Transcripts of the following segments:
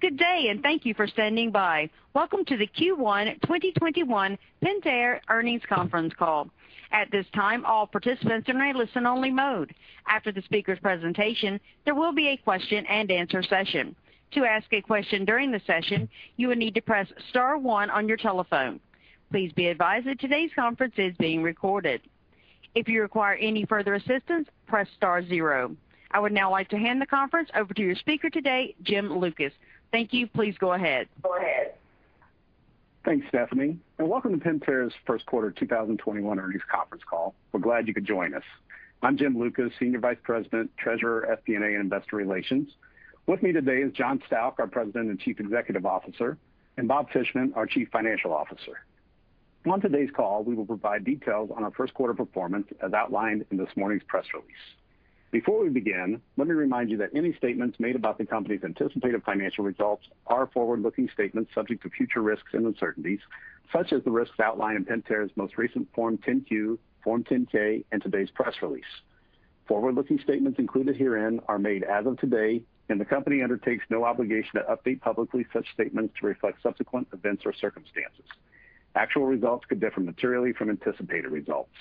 Good day, and thank you for standing by. Welcome to the Q1 2021 Pentair Earnings Conference Call. I would now like to hand the conference over to your speaker today, Jim Lucas. Thank you. Please go ahead. Thanks, Stephanie, and welcome to Pentair's First Quarter 2021 Earnings Conference Call. We're glad you could join us. I'm Jim Lucas, Senior Vice President, Treasurer, FP&A, and Investor Relations. With me today is John Stauch, our President and Chief Executive Officer, and Bob Fishman, our Chief Financial Officer. On today's call, we will provide details on our first quarter performance as outlined in this morning's press release. Before we begin, let me remind you that any statements made about the company's anticipated financial results are forward-looking statements subject to future risks and uncertainties, such as the risks outlined in Pentair's most recent Form 10-Q, Form 10-K, and today's press release. Forward-looking statements included herein are made as of today, and the company undertakes no obligation to update publicly such statements to reflect subsequent events or circumstances. Actual results could differ materially from anticipated results.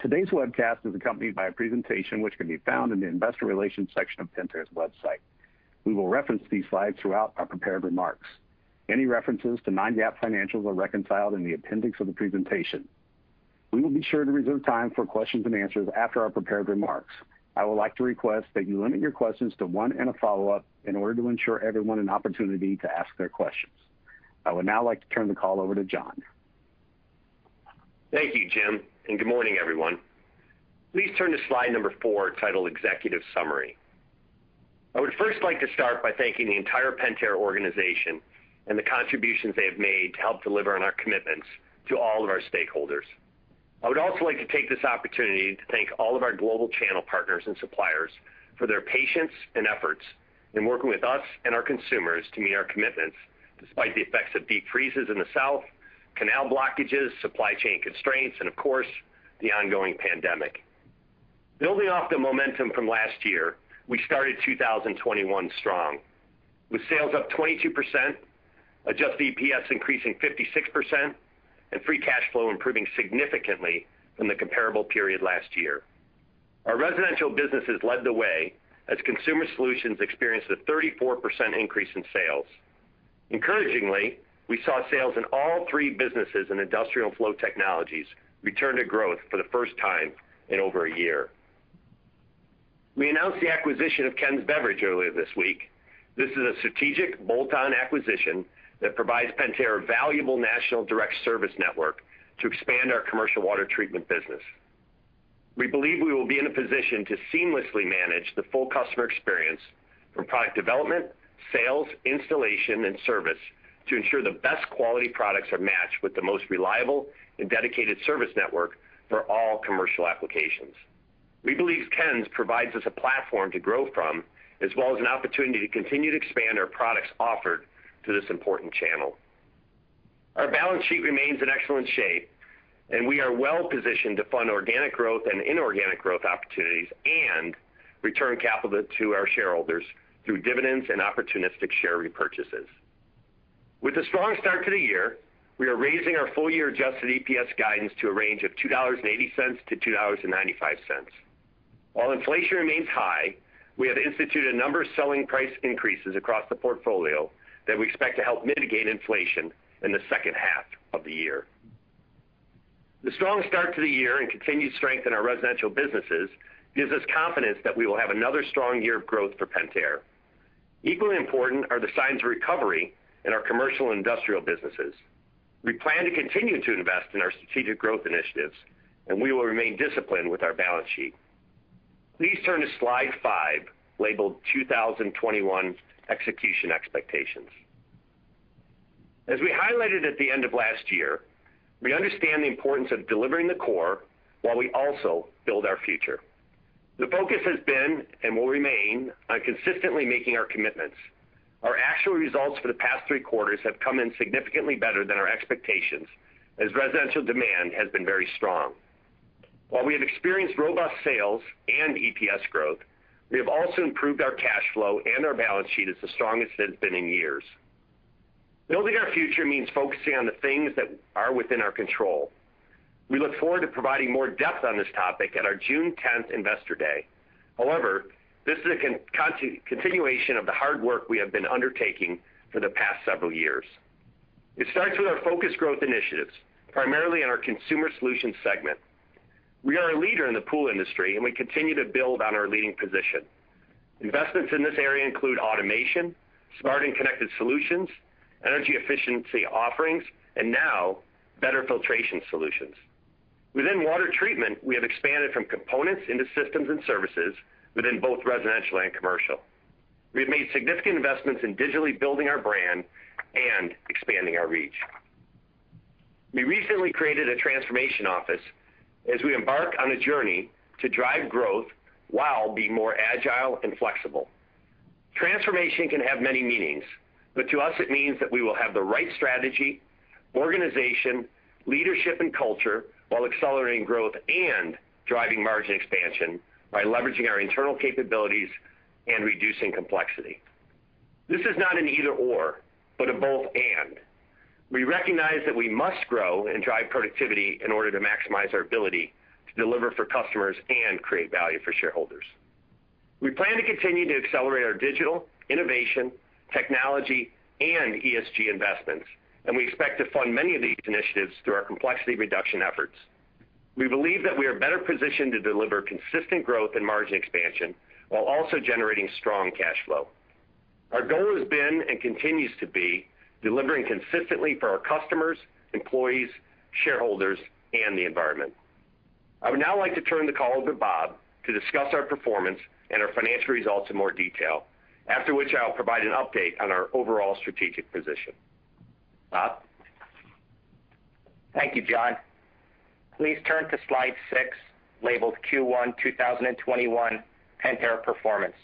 Today's webcast is accompanied by a presentation which can be found in the investor relations section of Pentair's website. We will reference these slides throughout our prepared remarks. Any references to non-GAAP financials are reconciled in the appendix of the presentation. We will be sure to reserve time for questions and answers after our prepared remarks. I would like to request that you limit your questions to one and a follow-up in order to ensure everyone an opportunity to ask their questions. I would now like to turn the call over to John. Thank you, Jim, and good morning, everyone. Please turn to slide number four, titled Executive Summary. I would first like to start by thanking the entire Pentair organization and the contributions they have made to help deliver on our commitments to all of our stakeholders. I would also like to take this opportunity to thank all of our global channel partners and suppliers for their patience and efforts in working with us and our consumers to meet our commitments, despite the effects of deep freezes in the south, canal blockages, supply chain constraints, and of course, the ongoing pandemic. Building off the momentum from last year, we started 2021 strong, with sales up 22%, adjusted EPS increasing 56%, and free cash flow improving significantly from the comparable period last year. Our residential businesses led the way as Consumer Solutions experienced a 34% increase in sales. Encouragingly, we saw sales in all three businesses in Industrial & Flow Technologies return to growth for the first time in over a year. We announced the acquisition of Ken's Beverage earlier this week. This is a strategic bolt-on acquisition that provides Pentair a valuable national direct service network to expand our commercial water treatment business. We believe we will be in a position to seamlessly manage the full customer experience from product development, sales, installation, and service to ensure the best quality products are matched with the most reliable and dedicated service network for all commercial applications. We believe Ken's provides us a platform to grow from, as well as an opportunity to continue to expand our products offered to this important channel. Our balance sheet remains in excellent shape, and we are well-positioned to fund organic growth and inorganic growth opportunities and return capital to our shareholders through dividends and opportunistic share repurchases. With a strong start to the year, we are raising our full year adjusted EPS guidance to a range of $2.80-$2.95. While inflation remains high, we have instituted a number of selling price increases across the portfolio that we expect to help mitigate inflation in the second half of the year. The strong start to the year and continued strength in our residential businesses gives us confidence that we will have another strong year of growth for Pentair. Equally important are the signs of recovery in our commercial and industrial businesses. We plan to continue to invest in our strategic growth initiatives, and we will remain disciplined with our balance sheet. Please turn to slide five, labeled 2021 Execution Expectations. As we highlighted at the end of last year, we understand the importance of delivering the core while we also build our future. The focus has been, and will remain, on consistently making our commitments. Our actual results for the past three quarters have come in significantly better than our expectations, as residential demand has been very strong. While we have experienced robust sales and EPS growth, we have also improved our cash flow and our balance sheet is the strongest it's been in years. Building our future means focusing on the things that are within our control. We look forward to providing more depth on this topic at our June 10th Investor Day. However, this is a continuation of the hard work we have been undertaking for the past several years. It starts with our focused growth initiatives, primarily in our Consumer Solutions segment. We are a leader in the pool industry, and we continue to build on our leading position. Investments in this area include automation, smart and connected solutions, energy efficiency offerings, and now better filtration solutions. Within water treatment, we have expanded from components into systems and services within both residential and commercial. We have made significant investments in digitally building our brand and expanding our reach. We recently created a transformation office as we embark on a journey to drive growth while being more agile and flexible. Transformation can have many meanings, but to us, it means that we will have the right strategy, organization, leadership, and culture, while accelerating growth and driving margin expansion by leveraging our internal capabilities and reducing complexity. This is not an either/or, but a both/and. We recognize that we must grow and drive productivity in order to maximize our ability to deliver for customers and create value for shareholders. We plan to continue to accelerate our digital, innovation, technology, and ESG investments. We expect to fund many of these initiatives through our complexity reduction efforts. We believe that we are better positioned to deliver consistent growth and margin expansion while also generating strong cash flow. Our goal has been, and continues to be, delivering consistently for our customers, employees, shareholders, and the environment. I would now like to turn the call over to Bob to discuss our performance and our financial results in more detail, after which I'll provide an update on our overall strategic position. Bob? Thank you, John. Please turn to slide six, labeled Q1 2021 Pentair Performance.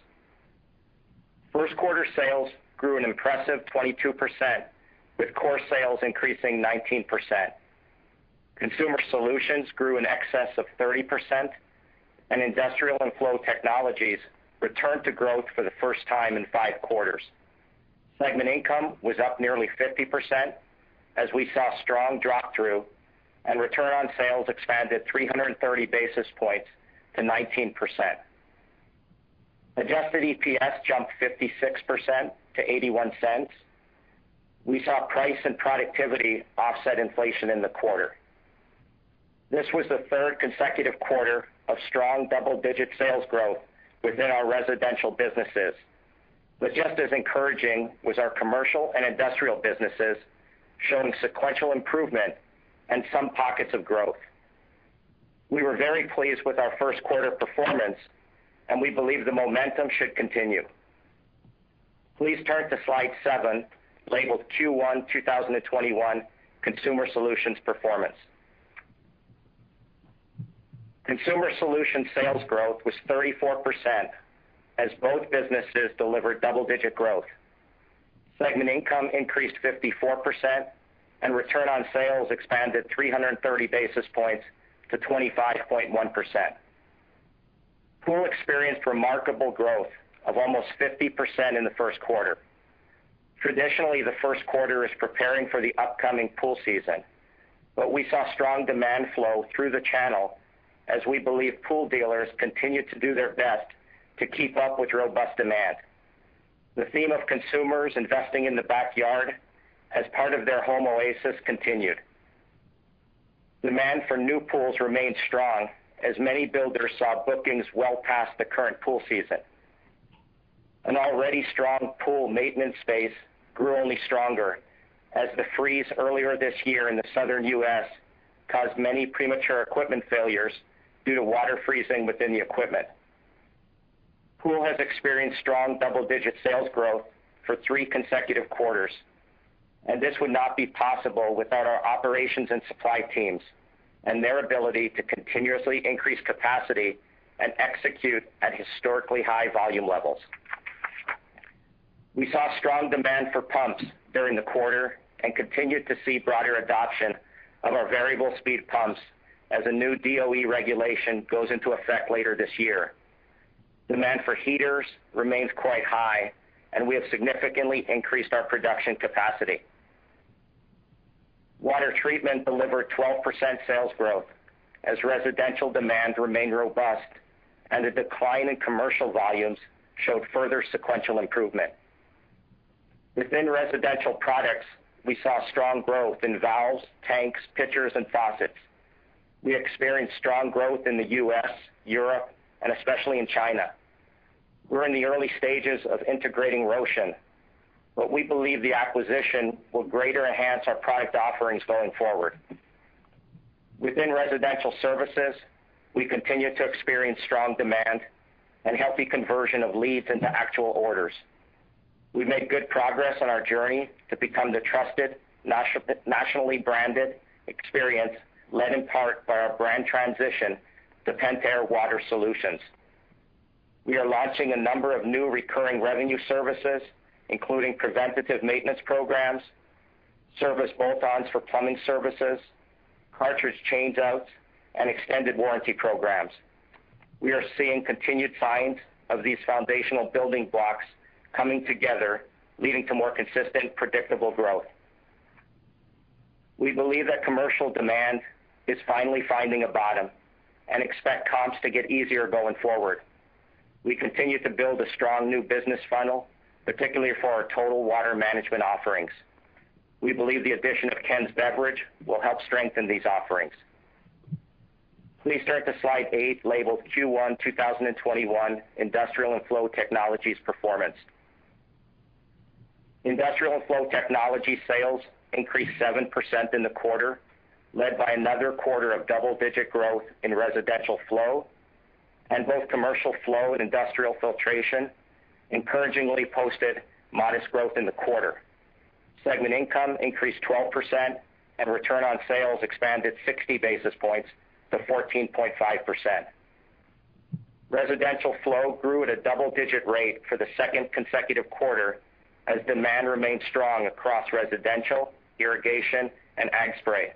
First quarter sales grew an impressive 22%, with core sales increasing 19%. Consumer Solutions grew in excess of 30%. Industrial & Flow Technologies returned to growth for the first time in five quarters. Segment income was up nearly 50% as we saw strong drop through. Return on sales expanded 330 basis points to 19%. Adjusted EPS jumped 56% to $0.81. We saw price and productivity offset inflation in the quarter. This was the third consecutive quarter of strong double-digit sales growth within our residential businesses. Just as encouraging was our commercial and industrial businesses showing sequential improvement and some pockets of growth. We were very pleased with our first quarter performance. We believe the momentum should continue. Please turn to slide seven, labeled Q1 2021 Consumer Solutions Performance. Consumer Solutions sales growth was 34% as both businesses delivered double-digit growth. Segment income increased 54%, and return on sales expanded 330 basis points to 25.1%. Pool experienced remarkable growth of almost 50% in the first quarter. Traditionally, the first quarter is preparing for the upcoming pool season, but we saw strong demand flow through the channel as we believe pool dealers continue to do their best to keep up with robust demand. The theme of consumers investing in the backyard as part of their home oasis continued. Demand for new pools remained strong as many builders saw bookings well past the current pool season. An already strong pool maintenance space grew only stronger as the freeze earlier this year in the Southern U.S. caused many premature equipment failures due to water freezing within the equipment. Pool has experienced strong double-digit sales growth for three consecutive quarters, and this would not be possible without our operations and supply teams, and their ability to continuously increase capacity and execute at historically high volume levels. We saw strong demand for pumps during the quarter and continued to see broader adoption of our variable speed pumps as a new DOE regulation goes into effect later this year. Demand for heaters remains quite high, and we have significantly increased our production capacity. Water treatment delivered 12% sales growth as residential demand remained robust, and the decline in commercial volumes showed further sequential improvement. Within residential products, we saw strong growth in valves, tanks, pitchers, and faucets. We experienced strong growth in the U.S., Europe, and especially in China. We're in the early stages of integrating Rocean, but we believe the acquisition will greater enhance our product offerings going forward. Within residential services, we continue to experience strong demand and healthy conversion of leads into actual orders. We made good progress on our journey to become the trusted, nationally branded experience, led in part by our brand transition to Pentair Water Solutions. We are launching a number of new recurring revenue services, including preventative maintenance programs, service bolt-ons for plumbing services, cartridge change outs, and extended warranty programs. We are seeing continued signs of these foundational building blocks coming together, leading to more consistent, predictable growth. We believe that commercial demand is finally finding a bottom, and expect comps to get easier going forward. We continue to build a strong new business funnel, particularly for our total water management offerings. We believe the addition of Ken's Beverage will help strengthen these offerings. Please turn to slide eight, labeled Q1 2021 Industrial and Flow Technologies Performance. Industrial & Flow Technologies sales increased 7% in the quarter, led by another quarter of double-digit growth in Residential Flow, and both Commercial Flow and Industrial Filtration encouragingly posted modest growth in the quarter. Segment income increased 12%, and return on sales expanded 60 basis points to 14.5%. Residential Flow grew at a double-digit rate for the second consecutive quarter as demand remained strong across residential, irrigation, and ag spray.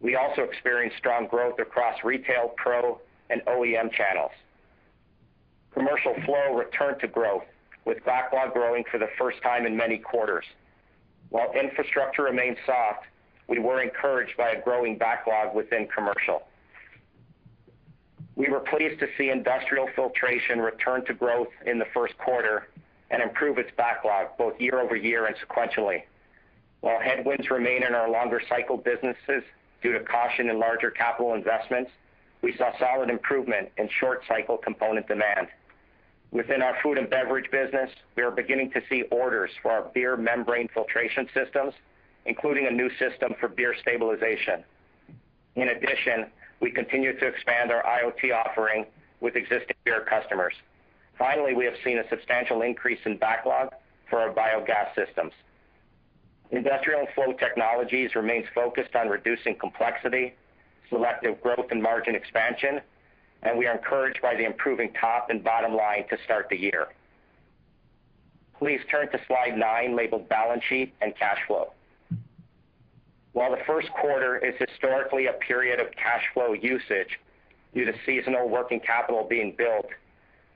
We also experienced strong growth across retail, pro, and OEM channels. Commercial Flow returned to growth with backlog growing for the first time in many quarters. While infrastructure remained soft, we were encouraged by a growing backlog within commercial. We were pleased to see Industrial Filtration return to growth in the first quarter and improve its backlog both year-over-year and sequentially. While headwinds remain in our longer cycle businesses due to caution in larger capital investments, we saw solid improvement in short cycle component demand. Within our food and beverage business, we are beginning to see orders for our Beer Membrane Filtration systems, including a new system for beer stabilization. In addition, we continue to expand our IoT offering with existing beer customers. Finally, we have seen a substantial increase in backlog for our biogas systems. Industrial & Flow Technologies remains focused on reducing complexity, selective growth, and margin expansion, and we are encouraged by the improving top and bottom line to start the year. Please turn to slide nine, labeled Balance Sheet and Cash Flow. While the first quarter is historically a period of cash flow usage due to seasonal working capital being built,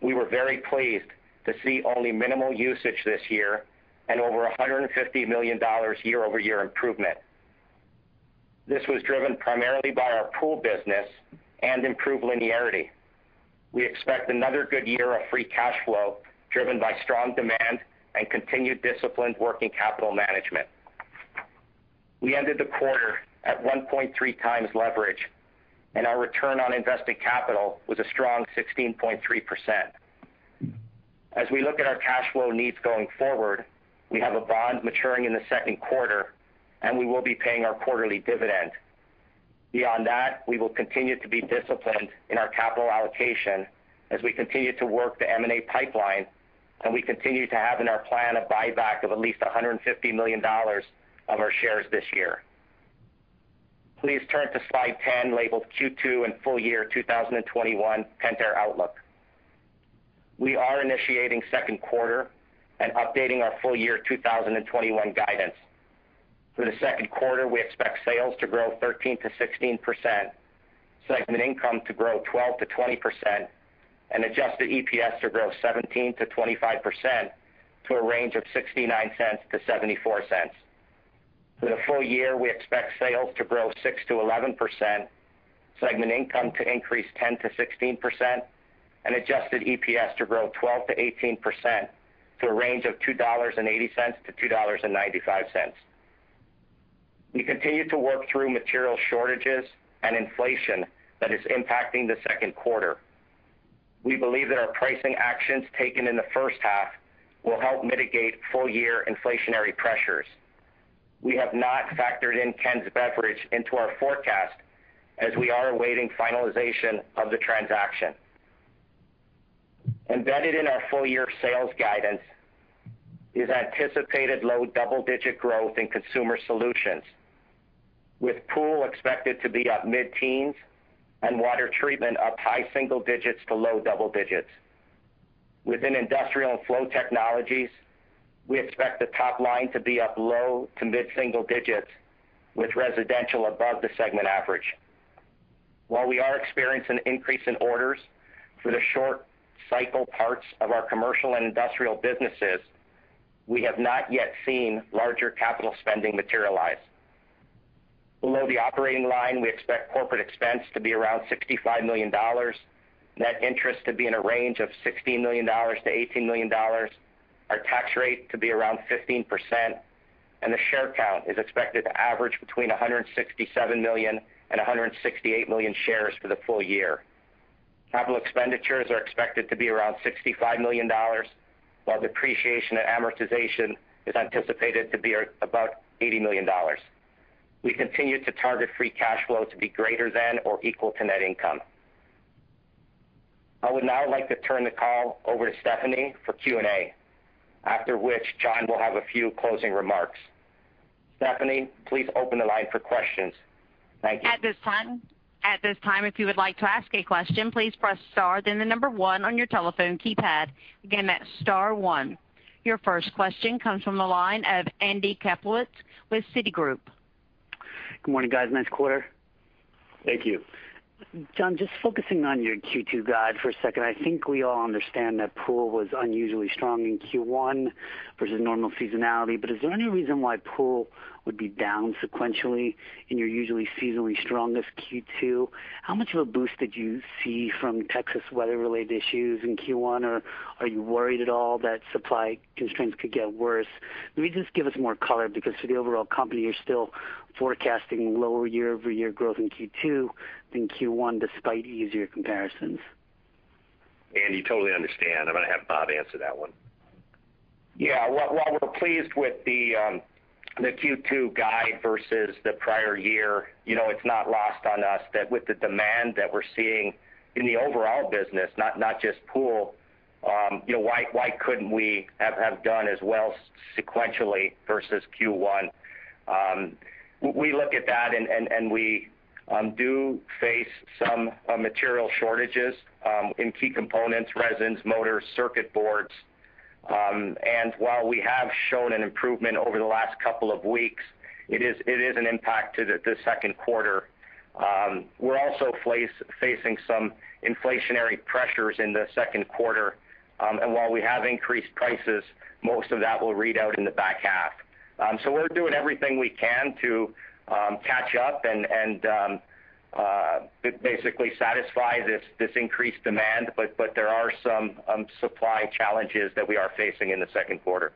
we were very pleased to see only minimal usage this year and over $150 million year-over-year improvement. This was driven primarily by our pool business and improved linearity. We expect another good year of free cash flow driven by strong demand and continued disciplined working capital management. We ended the quarter at 1.3x leverage, and our return on invested capital was a strong 16.3%. As we look at our cash flow needs going forward, we have a bond maturing in the second quarter, and we will be paying our quarterly dividend. Beyond that, we will continue to be disciplined in our capital allocation as we continue to work the M&A pipeline, and we continue to have in our plan a buyback of at least $150 million of our shares this year. Please turn to slide 10, labeled Q2 and Full Year 2021 Pentair Outlook. We are initiating second quarter and updating our full year 2021 guidance. For the second quarter, we expect sales to grow 13%-16%, segment income to grow 12%-20%, and adjusted EPS to grow 17%-25% to a range of $0.69-$0.74. For the full year, we expect sales to grow 6%-11%, segment income to increase 10%-16%, and adjusted EPS to grow 12%-18% to a range of $2.80-$2.95. We continue to work through material shortages and inflation that is impacting the second quarter. We believe that our pricing actions taken in the first half will help mitigate full-year inflationary pressures. We have not factored in Ken's Beverage into our forecast as we are awaiting finalization of the transaction. Embedded in our full-year sales guidance is anticipated low double-digit growth in Consumer Solutions, with pool expected to be up mid-teens and water treatment up high single digits to low double digits. Within Industrial & Flow Technologies, we expect the top line to be up low to mid-single digits, with residential above the segment average. While we are experiencing an increase in orders for the short cycle parts of our commercial and industrial businesses, we have not yet seen larger capital spending materialize. Below the operating line, we expect corporate expense to be around $65 million, net interest to be in a range of $16 million-$18 million, our tax rate to be around 15%, and the share count is expected to average between 167 million and 168 million shares for the full year. Capital expenditures are expected to be around $65 million, while depreciation and amortization is anticipated to be about $80 million. We continue to target free cash flow to be greater than or equal to net income. I would now like to turn the call over to Stephanie for Q&A, after which John will have a few closing remarks. Stephanie, please open the line for questions. Thank you. At this time, if you would like to ask a question please press star and the number one on your telephone keypad, again thats star one. Your first question comes from the line of Andrew Kaplowitz with Citigroup. Good morning, guys. Nice quarter. Thank you. John, just focusing on your Q2 guide for a second. I think we all understand that pool was unusually strong in Q1 versus normal seasonality. Is there any reason why pool would be down sequentially in your usually seasonally strongest Q2? How much of a boost did you see from Texas weather-related issues in Q1, or are you worried at all that supply constraints could get worse? Maybe just give us more color because for the overall company, you're still forecasting lower year-over-year growth in Q2 than Q1 despite easier comparisons. Andrew, totally understand. I'm going to have Bob answer that one. Yeah. While we're pleased with the Q2 guide versus the prior year, it's not lost on us that with the demand that we're seeing in the overall business, not just pool. Why couldn't we have done as well sequentially versus Q1? We look at that, and we do face some material shortages in key components, resins, motors, circuit boards. While we have shown an improvement over the last couple of weeks, it is an impact to the second quarter. We're also facing some inflationary pressures in the second quarter. While we have increased prices, most of that will read out in the back half. We're doing everything we can to catch up and basically satisfy this increased demand, but there are some supply challenges that we are facing in the second quarter.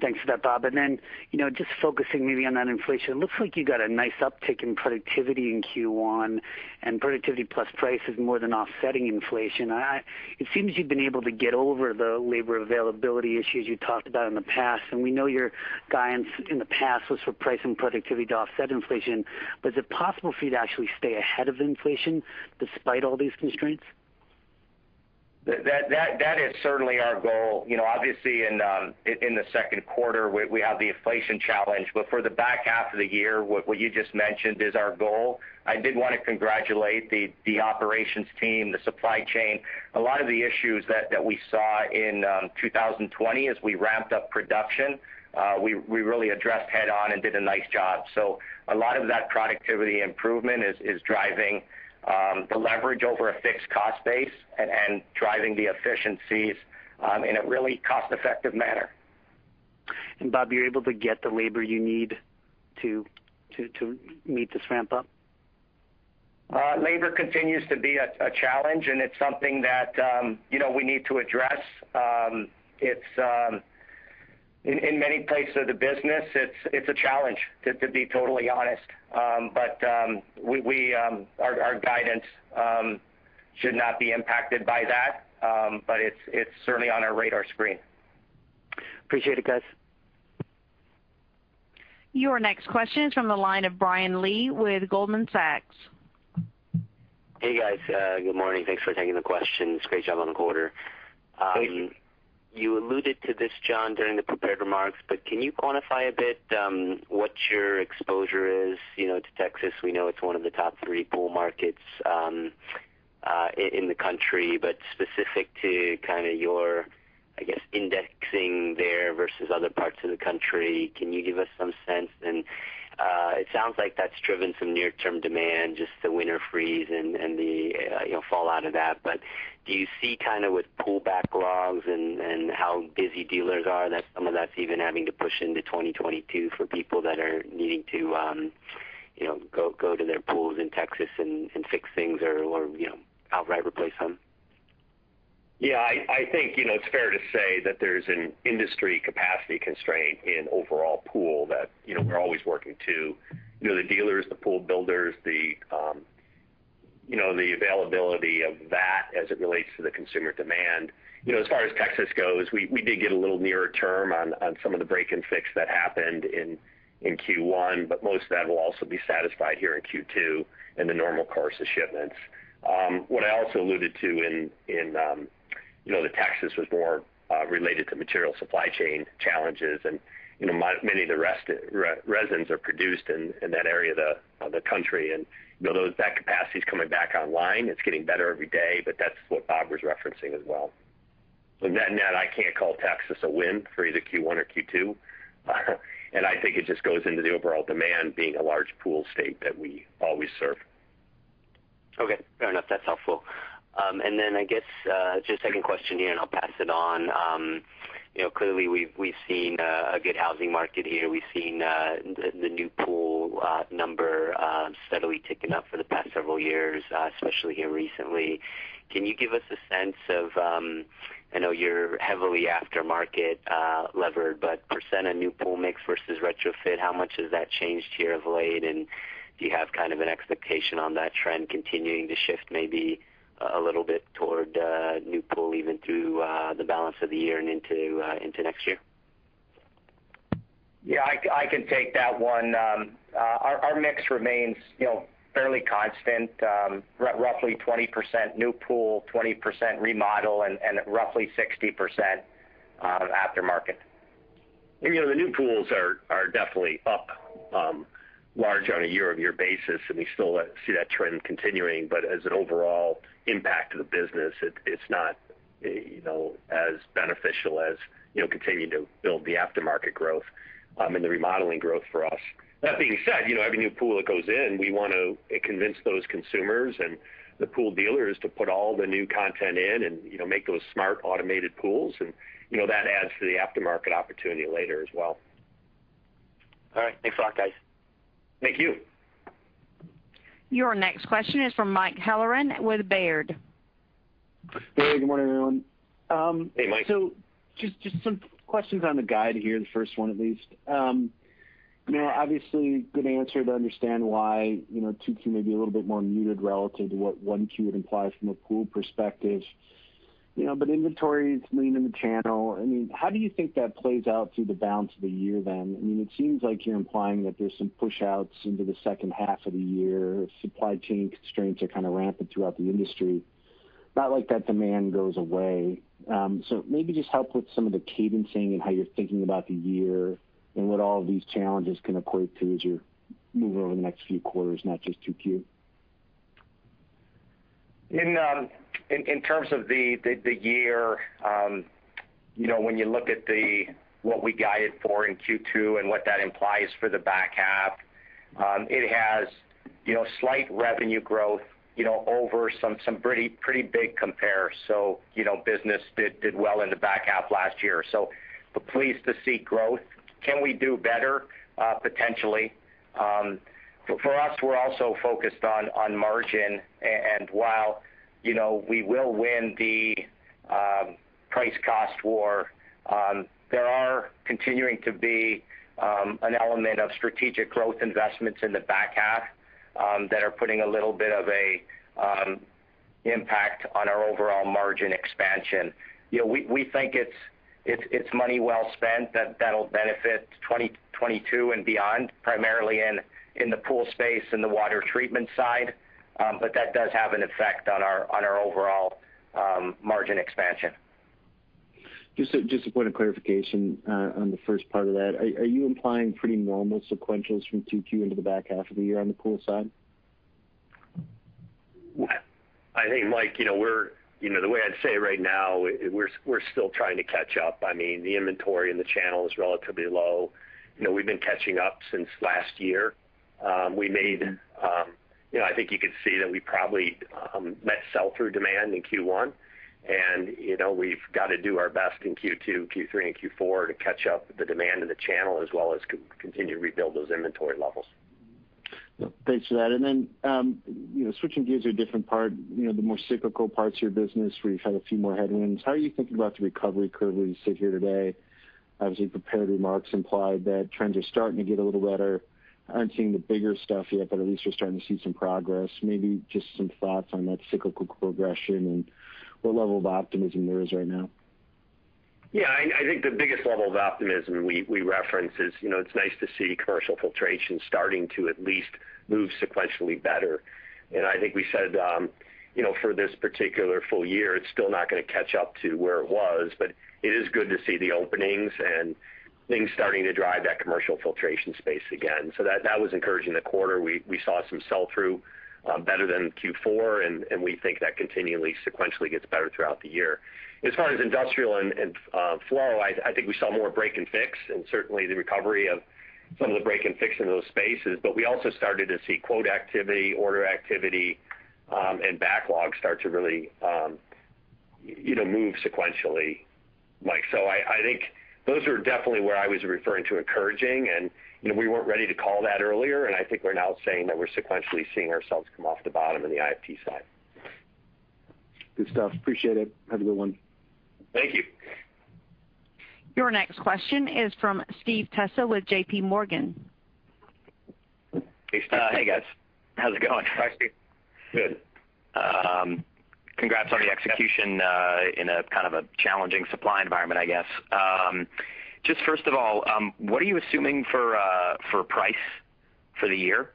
Thanks for that, Bob. Just focusing maybe on that inflation, looks like you got a nice uptick in productivity in Q1, and productivity plus price is more than offsetting inflation. It seems you've been able to get over the labor availability issues you talked about in the past, and we know your guidance in the past was for price and productivity to offset inflation. Is it possible for you to actually stay ahead of inflation despite all these constraints? That is certainly our goal. Obviously, in the second quarter, we have the inflation challenge, but for the back half of the year, what you just mentioned is our goal. I did want to congratulate the operations team, the supply chain. A lot of the issues that we saw in 2020 as we ramped up production, we really addressed head-on and did a nice job. A lot of that productivity improvement is driving the leverage over a fixed cost base and driving the efficiencies in a really cost-effective manner. Bob, you're able to get the labor you need to meet this ramp-up? Labor continues to be a challenge. It's something that we need to address. In many places of the business, it's a challenge, to be totally honest. Our guidance should not be impacted by that. It's certainly on our radar screen. Appreciate it, guys. Your next question is from the line of Brian Lee with Goldman Sachs. Hey, guys. Good morning. Thanks for taking the questions. Great job on the quarter. Thank you. You alluded to this, John, during the prepared remarks, but can you quantify a bit what your exposure is to Texas? We know it's one of the top three pool markets in the country, but specific to kind of your, I guess, indexing there versus other parts of the country, can you give us some sense? It sounds like that's driven some near-term demand, just the winter freeze and the fallout of that. Do you see with pool backlogs and how busy dealers are, that some of that's even having to push into 2022 for people that are needing to go to their pools in Texas and fix things or outright replace them? Yeah, I think it's fair to say that there's an industry capacity constraint in overall pool that we're always working to. The dealers, the pool builders, the availability of that as it relates to the consumer demand. As far as Texas goes, we did get a little nearer term on some of the break and fix that happened in Q1, but most of that will also be satisfied here in Q2 in the normal course of shipments. What I also alluded to in the Texas was more related to material supply chain challenges, and many of the resins are produced in that area of the country. That capacity's coming back online. It's getting better every day, but that's what Bob was referencing as well. Net, I can't call Texas a win for either Q1 or Q2. I think it just goes into the overall demand being a large pool state that we always serve. Okay. Fair enough. That's helpful. Then I guess, just a second question here, and I'll pass it on. Clearly, we've seen a good housing market here. We've seen the new pool number steadily ticking up for the past several years, especially here recently. Can you give us a sense of, I know you're heavily aftermarket levered, but % of new pool mix versus retrofit, how much has that changed here of late? Do you have kind of an expectation on that trend continuing to shift maybe a little bit toward new pool, even through the balance of the year and into next year? Yeah, I can take that one. Our mix remains fairly constant. Roughly 20% new pool, 20% remodel, and roughly 60% aftermarket. The new pools are definitely up large on a year-over-year basis, and we still see that trend continuing. As an overall impact to the business, it's not as beneficial as continuing to build the aftermarket growth and the remodeling growth for us. That being said, every new pool that goes in, we want to convince those consumers and the pool dealers to put all the new content in and make those smart automated pools, and that adds to the aftermarket opportunity later as well. All right. Thanks a lot, guys. Thank you. Your next question is from Mike Halloran with Baird. Hey, good morning, everyone. Hey, Mike. Just some questions on the guide here, the first one at least. Obviously, good answer to understand why 2Q may be a little bit more muted relative to what 1Q would imply from a pool perspective. Inventory is lean in the channel. How do you think that plays out through the balance of the year then? It seems like you're implying that there's some push-outs into the second half of the year. Supply chain constraints are kind of rampant throughout the industry. Not like that demand goes away. Maybe just help with some of the cadencing and how you're thinking about the year and what all of these challenges can equate to as you move over the next few quarters, not just 2Q. In terms of the year, when you look at what we guided for in Q2 and what that implies for the back half, it has slight revenue growth over some pretty big compares. Business did well in the back half last year. We're pleased to see growth. Can we do better? Potentially. For us, we're also focused on margin. While we will win the price cost war, there are continuing to be an element of strategic growth investments in the back half that are putting a little bit of a impact on our overall margin expansion. We think it's money well spent that'll benefit 2022 and beyond, primarily in the pool space and the water treatment side. That does have an effect on our overall margin expansion. Just a point of clarification on the first part of that. Are you implying pretty normal sequentials from 2Q into the back half of the year on the pool side? I think, Mike, the way I'd say right now, we're still trying to catch up. The inventory in the channel is relatively low. We've been catching up since last year. I think you could see that we probably met sell-through demand in Q1, and we've got to do our best in Q2, Q3, and Q4 to catch up with the demand in the channel, as well as continue to rebuild those inventory levels. Thanks for that. Then switching gears to a different part, the more cyclical parts of your business where you've had a few more headwinds. How are you thinking about the recovery currently as you sit here today? Obviously, prepared remarks implied that trends are starting to get a little better. Aren't seeing the bigger stuff yet, but at least we're starting to see some progress. Maybe just some thoughts on that cyclical progression and what level of optimism there is right now. I think the biggest level of optimism we reference is it's nice to see commercial filtration starting to at least move sequentially better. I think we said, for this particular full year, it's still not going to catch up to where it was, but it is good to see the openings and things starting to drive that commercial filtration space again. That was encouraging the quarter. We saw some sell-through better than Q4, and we think that continually, sequentially gets better throughout the year. As far as Industrial & Flow, I think we saw more break and fix and certainly the recovery of some of the break and fix in those spaces. We also started to see quote activity, order activity, and backlog start to really move sequentially. I think those are definitely where I was referring to encouraging, and we weren't ready to call that earlier, and I think we're now saying that we're sequentially seeing ourselves come off the bottom in the IFT side. Good stuff. Appreciate it. Have a good one. Thank you. Your next question is from Steve Tusa with J.P. Morgan. Hey, Steve. Hey, guys. How's it going? Hi, Steve. Good. Congrats on the execution in a kind of a challenging supply environment, I guess. Just first of all, what are you assuming for price for the year?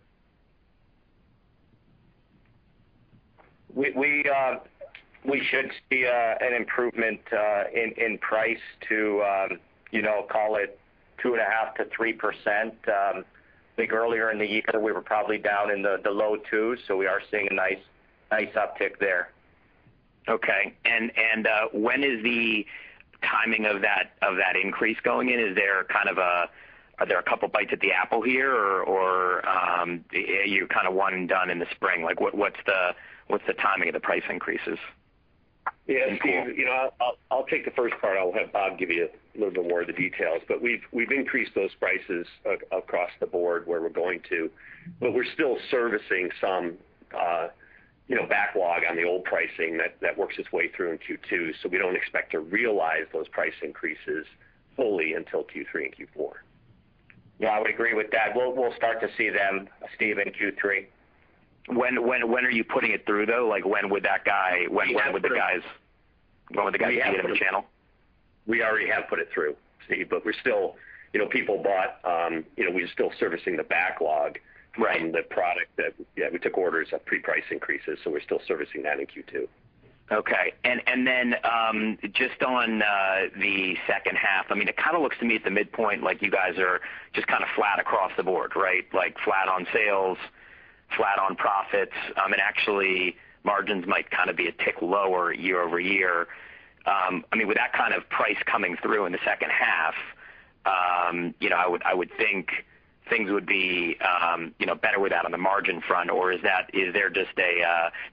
We should see an improvement in price to call it 2.5% to 3%. I think earlier in the year, we were probably down in the low twos, so we are seeing a nice uptick there. Okay. When is the timing of that increase going in? Are there a couple bites at the apple here, or are you kind of one and done in the spring? What's the timing of the price increases? Yeah. Steve, I'll take the first part. I'll have Bob give you a little bit more of the details. We've increased those prices across the board where we're going to, but we're still servicing some backlog on the old pricing that works its way through in Q2. We don't expect to realize those price increases fully until Q3 and Q4. Yeah, I would agree with that. We'll start to see them, Steve, in Q3. When are you putting it through, though? We have put it through. See it in the channel? We already have put it through, Steve, but we're still servicing the backlog. Right From the product that we took orders at pre-price increases, so we're still servicing that in Q2. Okay. Just on the second half, it kind of looks to me at the midpoint like you guys are just kind of flat across the board, right? Flat on sales, flat on profits. Actually margins might kind of be a tick lower year-over-year. With that kind of price coming through in the second half, I would think things would be better with that on the margin front.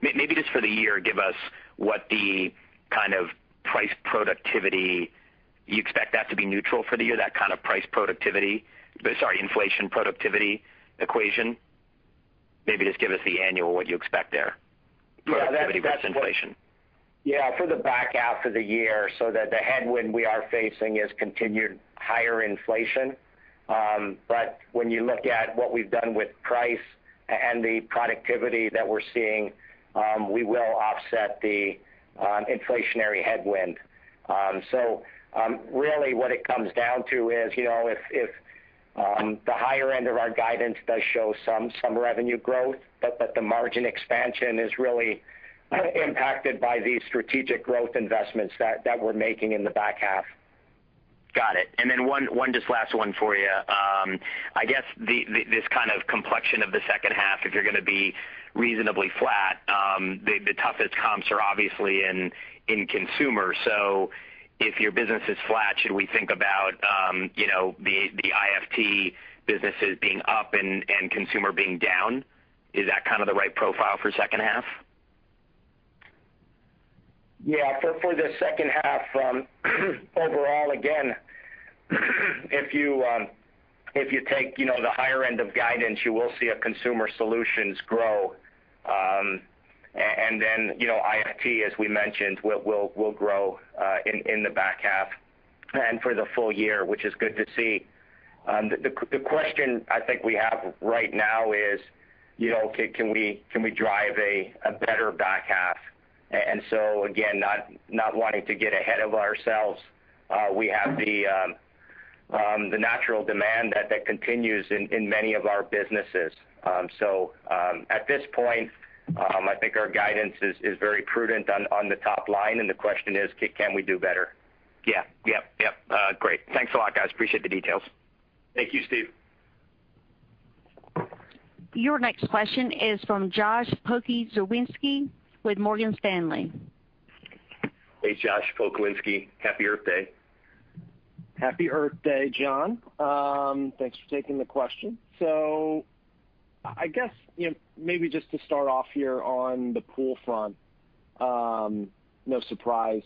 Maybe just for the year, give us what the kind of price productivity you expect that to be neutral for the year, that kind of price productivity. Sorry, inflation productivity equation. Maybe just give us the annual, what you expect there. Productivity versus inflation. Yeah. For the back half of the year, the headwind we are facing is continued higher inflation. When you look at what we've done with price and the productivity that we're seeing, we will offset the inflationary headwind. Really what it comes down to is if the higher end of our guidance does show some revenue growth, but the margin expansion is really impacted by these strategic growth investments that we're making in the back half. Got it. One just last one for you. I guess this kind of complexion of the second half, if you're going to be reasonably flat, the toughest comps are obviously in Consumer. If your business is flat, should we think about the IFT businesses being up and Consumer being down? Is that kind of the right profile for second half? Yeah. For the second half, overall, again, if you take the higher end of guidance, you will see our Consumer Solutions grow. IFT, as we mentioned, will grow in the back half and for the full year, which is good to see. The question I think we have right now is, can we drive a better back half? Again, not wanting to get ahead of ourselves, we have the natural demand that continues in many of our businesses. At this point, I think our guidance is very prudent on the top line, and the question is, Can we do better? Yeah. Great. Thanks a lot, guys. Appreciate the details. Thank you, Steve. Your next question is from Josh Pokrzywinski with Morgan Stanley. Hey, Josh Pokrzywinski. Happy Earth Day. Happy Earth Day, John. Thanks for taking the question. I guess, maybe just to start off here on the pool front, no surprise.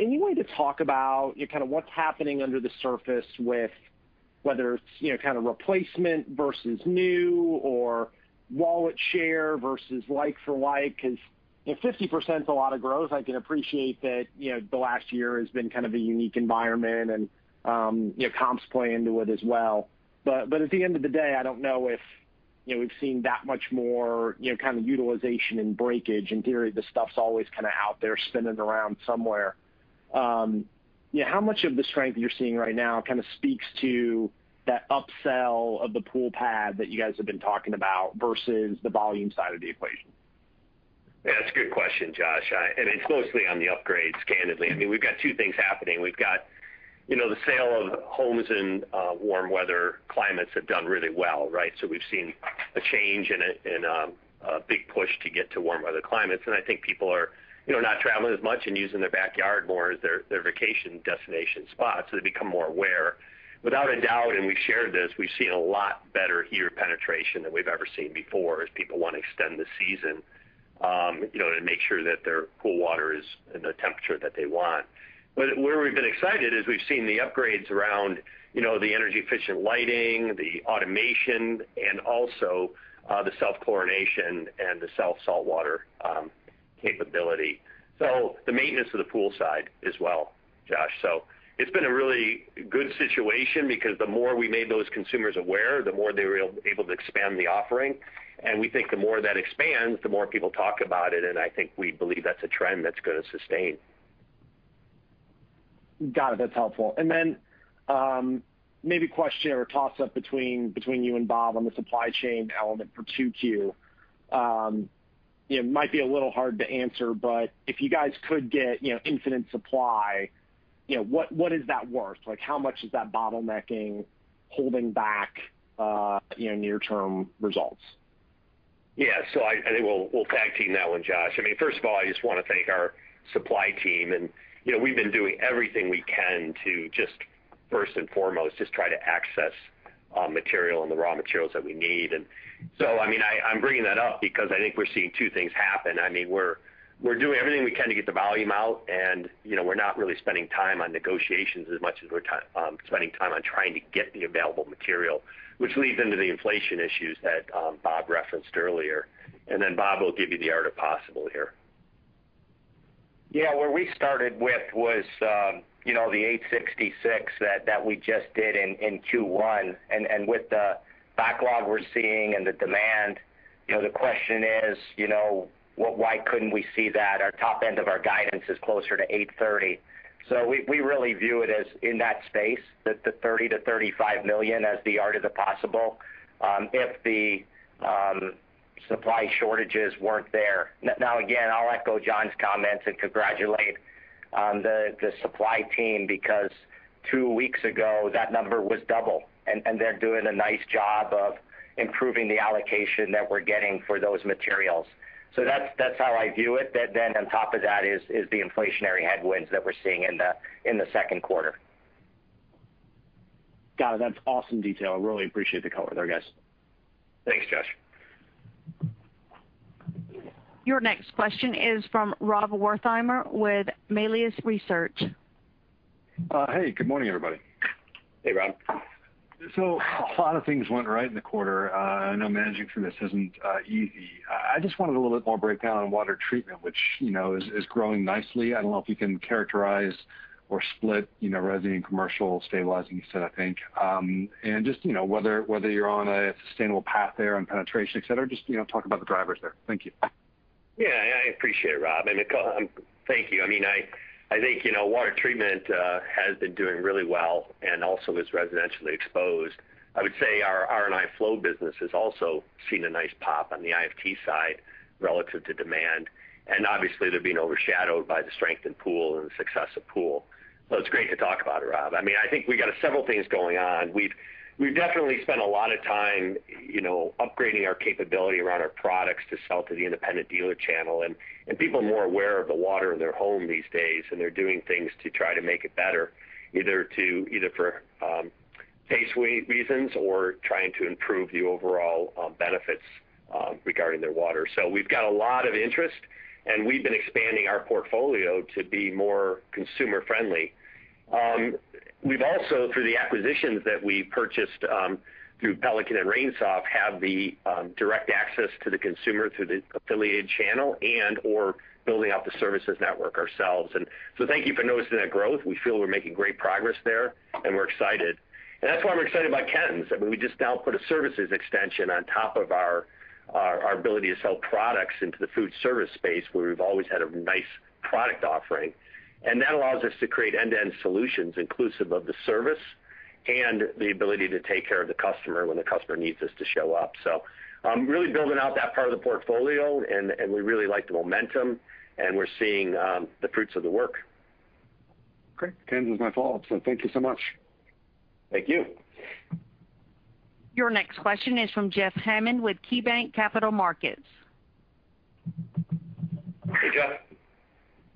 Any way to talk about kind of what's happening under the surface with whether it's kind of replacement versus new or wallet share versus like for like? 50%'s a lot of growth. I can appreciate that the last year has been kind of a unique environment and comps play into it as well. At the end of the day, I don't know if we've seen that much more kind of utilization and breakage. In theory, the stuff's always kind of out there spinning around somewhere. How much of the strength you're seeing right now kind of speaks to that upsell of the pool pad that you guys have been talking about versus the volume side of the equation? Yeah, that's a good question, Josh. It's mostly on the upgrades, candidly. We've got two things happening. We've got the sale of homes in warm weather climates have done really well, right? We've seen a change and a big push to get to warm weather climates, and I think people are not traveling as much and using their backyard more as their vacation destination spot, so they become more aware. Without a doubt, and we've shared this, we've seen a lot better heater penetration than we've ever seen before as people want to extend the season to make sure that their pool water is in the temperature that they want. Where we've been excited is we've seen the upgrades around the energy-efficient lighting, the automation, and also the self-chlorination and the self-saltwater capability. The maintenance of the pool side as well, Josh. It's been a really good situation because the more we made those consumers aware, the more they were able to expand the offering. We think the more that expands, the more people talk about it, and I think we believe that's a trend that's going to sustain. Got it. That's helpful. Then maybe question or toss-up between you and Bob on the supply chain element for 2Q. It might be a little hard to answer, but if you guys could get infinite supply, what is that worth? Like, how much is that bottlenecking holding back near-term results? Yeah. I think we'll tag-team that one, Josh. First of all, I just want to thank our supply team, and we've been doing everything we can to just first and foremost, just try to access material and the raw materials that we need. I'm bringing that up because I think we're seeing two things happen. We're doing everything we can to get the volume out, and we're not really spending time on negotiations as much as we're spending time on trying to get the available material. Which leads into the inflation issues that Bob referenced earlier. Bob will give you the art of possible here. Yeah. Where we started with was the $866 that we just did in Q1. With the backlog we're seeing and the demand, the question is, why couldn't we see that? Our top end of our guidance is closer to $830. We really view it as in that space, the $30 million-$35 million as the art of the possible if the supply shortages weren't there. Again, I'll echo John's comments and congratulate the supply team because two weeks ago, that number was double, and they're doing a nice job of improving the allocation that we're getting for those materials. That's how I view it. On top of that is the inflationary headwinds that we're seeing in the second quarter. Got it. That's awesome detail. Really appreciate the color there, guys. Thanks, Josh. Your next question is from Rob Wertheimer with Melius Research. Hey, good morning, everybody. Hey, Rob. A lot of things went right in the quarter. I know managing through this isn't easy. I just wanted a little bit more breakdown on water treatment, which is growing nicely. I don't know if you can characterize or split residential commercial stabilizing you said, I think. Just whether you're on a sustainable path there on penetration, et cetera. Just talk about the drivers there. Thank you. I appreciate it, Rob. Thank you. I think water treatment has been doing really well and also is residentially exposed. I would say our R&I Flow business has also seen a nice pop on the IFT side relative to demand, and obviously they're being overshadowed by the strength in Pool and the success of Pool. It's great to talk about it, Rob. I think we got several things going on. We've definitely spent a lot of time upgrading our capability around our products to sell to the independent dealer channel, and people are more aware of the water in their home these days, and they're doing things to try to make it better, either for taste reasons or trying to improve the overall benefits regarding their water. We've got a lot of interest, and we've been expanding our portfolio to be more consumer-friendly. We've also, through the acquisitions that we purchased through Pelican and RainSoft, have the direct access to the consumer through the affiliated channel and/or building out the services network ourselves. Thank you for noticing that growth. We feel we're making great progress there, and we're excited. That's why we're excited about Ken's. We just now put a services extension on top of our ability to sell products into the food service space, where we've always had a nice product offering. That allows us to create end-to-end solutions inclusive of the service and the ability to take care of the customer when the customer needs us to show up. Really building out that part of the portfolio, and we really like the momentum, and we're seeing the fruits of the work. Great. Ken's is my fault, so thank you so much. Thank you. Your next question is from Jeffrey Hammond with KeyBanc Capital Markets. Hey, Jeff.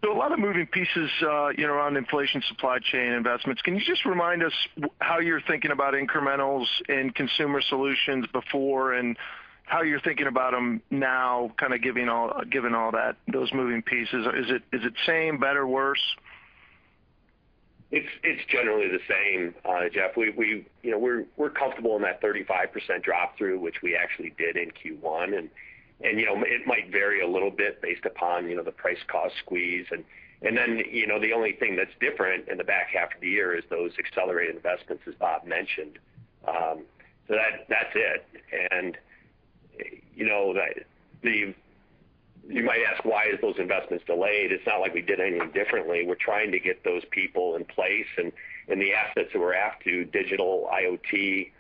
A lot of moving pieces around inflation, supply chain, investments. Can you just remind us how you're thinking about incrementals in Consumer Solutions before and how you're thinking about them now, kind of giving all those moving pieces? Is it same, better, worse? It's generally the same, Jeff. We're comfortable in that 35% drop-through, which we actually did in Q1. It might vary a little bit based upon the price-cost squeeze. The only thing that's different in the back half of the year is those accelerated investments, as Bob mentioned. That's it. You might ask, why is those investments delayed? It's not like we did anything differently. We're trying to get those people in place and the assets that we're after, digital, IoT,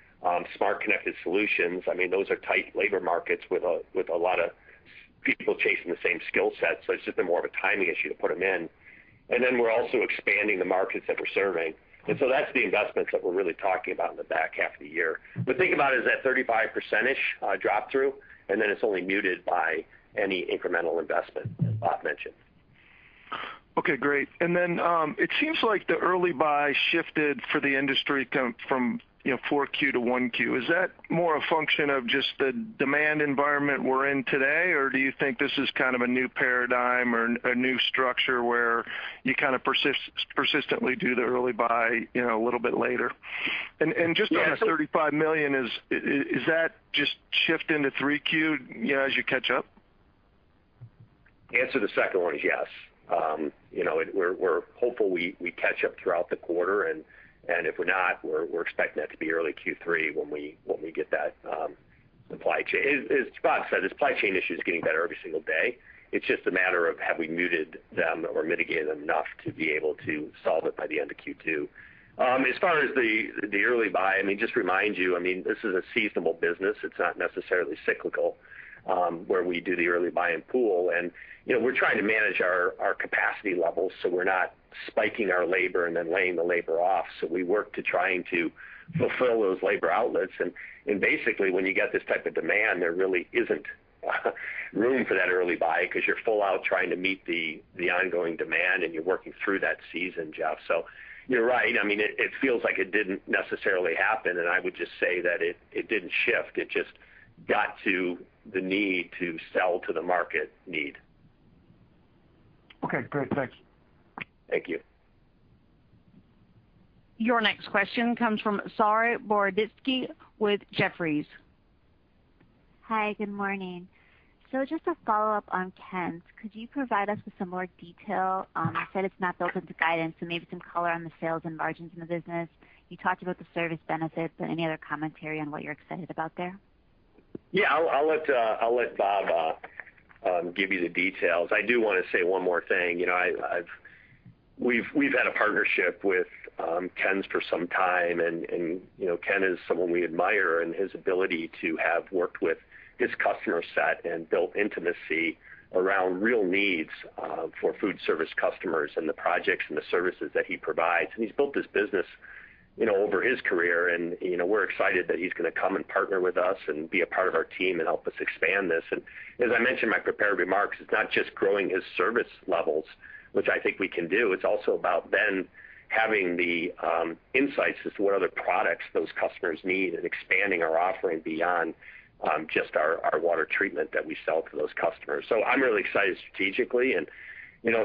smart connected solutions. Those are tight labor markets with a lot of people chasing the same skill set, so it's just been more of a timing issue to put them in. We're also expanding the markets that we're serving. That's the investments that we're really talking about in the back half of the year. Think about it as that 35%-ish drop-through, and then it's only muted by any incremental investment Bob mentioned. Okay, great. It seems like the early buy shifted for the industry from 4Q to 1Q. Is that more a function of just the demand environment we're in today, or do you think this is kind of a new paradigm or a new structure where you kind of persistently do the early buy a little bit later? Just on the $35 million, is that just shift into 3Q as you catch up? Answer to the second one is yes. We're hopeful we catch up throughout the quarter, and if we're not, we're expecting that to be early Q3 when we get that supply chain. As Bob said, the supply chain issue is getting better every single day. It's just a matter of have we muted them or mitigated them enough to be able to solve it by the end of Q2. As far as the early buy, just remind you, this is a seasonable business. It's not necessarily cyclical, where we do the early buy in pool, and we're trying to manage our capacity levels so we're not spiking our labor and then laying the labor off. We work to trying to fulfill those labor outlets. When you get this type of demand, there really isn't room for that early buy because you're full out trying to meet the ongoing demand, and you're working through that season, Jeffrey. You're right. It feels like it didn't necessarily happen, and I would just say that it didn't shift. It just got to the need to sell to the market need. Okay, great. Thank you. Thank you. Your next question comes from Saree Boroditsky with Jefferies. Hi, good morning. Just a follow-up on Ken's. Could you provide us with some more detail? You said it's not built into guidance, maybe some color on the sales and margins in the business. You talked about the service benefits, any other commentary on what you're excited about there? Yeah, I'll let Bob give you the details. I do want to say one more thing. We've had a partnership with Ken's Beverage for some time, and Ken is someone we admire in his ability to have worked with his customer set and built intimacy around real needs for food service customers and the projects and the services that he provides. He's built this business over his career, and we're excited that he's going to come and partner with us and be a part of our team and help us expand this. As I mentioned in my prepared remarks, it's not just growing his service levels, which I think we can do. It's also about then having the insights as to what other products those customers need and expanding our offering beyond just our water treatment that we sell to those customers. I'm really excited strategically, and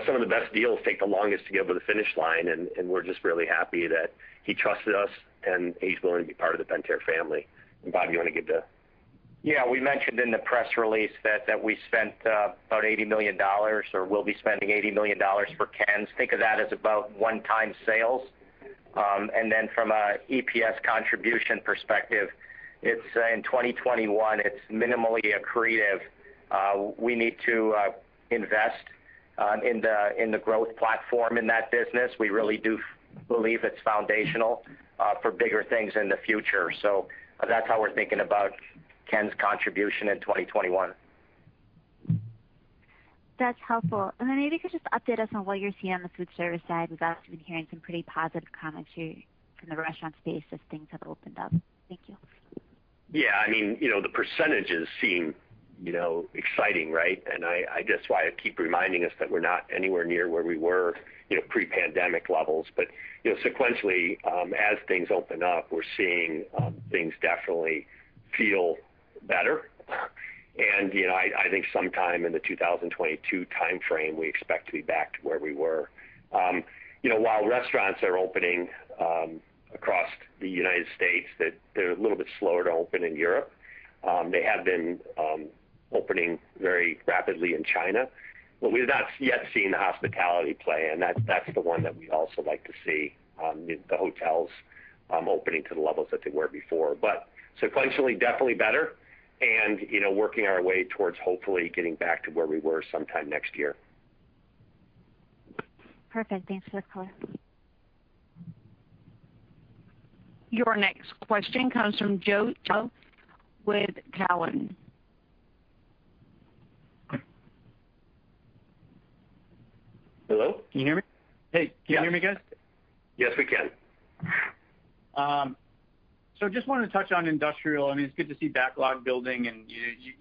some of the best deals take the longest to get over the finish line, and we're just really happy that he trusted us and he's willing to be part of the Pentair family. Bob, you want to give the. Yeah, we mentioned in the press release that we spent about $80 million, or will be spending $80 million for Ken's. Think of that as about one-time sales. From a EPS contribution perspective, in 2021, it's minimally accretive. We need to invest in the growth platform in that business. We really do believe it's foundational for bigger things in the future. That's how we're thinking about Ken's contribution in 2021. That's helpful. Maybe you could just update us on what you're seeing on the food service side. We've obviously been hearing some pretty positive comments from the restaurant space as things have opened up. Thank you. Yeah. The percentages seem exciting, right? That's why I keep reminding us that we're not anywhere near where we were pre-pandemic levels. Sequentially, as things open up, we're seeing things definitely feel better. I think sometime in the 2022 timeframe, we expect to be back to where we were. While restaurants are opening across the U.S., they're a little bit slower to open in Europe. They have been opening very rapidly in China. We've not yet seen the hospitality play, and that's the one that we also like to see, the hotels opening to the levels that they were before. Sequentially, definitely better and working our way towards hopefully getting back to where we were sometime next year. Perfect. Thanks for the color. Your next question comes from Joe Giordano with Cowen. Hello? Can you hear me? Hey. Can you hear me guys? Yes, we can. Just wanted to touch on Industrial. It's good to see backlog building, and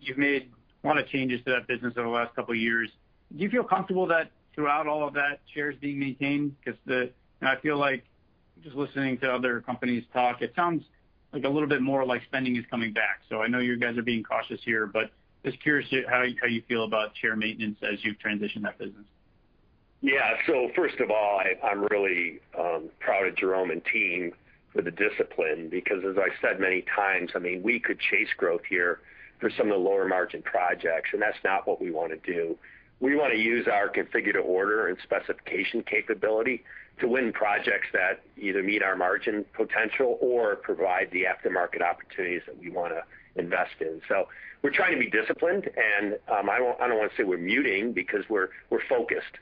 you've made a lot of changes to that business over the last couple of years. Do you feel comfortable that throughout all of that, share is being maintained? I feel like just listening to other companies talk, it sounds a little bit more like spending is coming back. I know you guys are being cautious here, but just curious how you feel about share maintenance as you transition that business. First of all, I'm really proud of Jerome and team for the discipline because as I've said many times, we could chase growth here for some of the lower margin projects, and that's not what we want to do. We want to use our configure-to-order and specification capability to win projects that either meet our margin potential or provide the aftermarket opportunities that we want to invest in. We're trying to be disciplined, and I don't want to say we're muting because we're focused.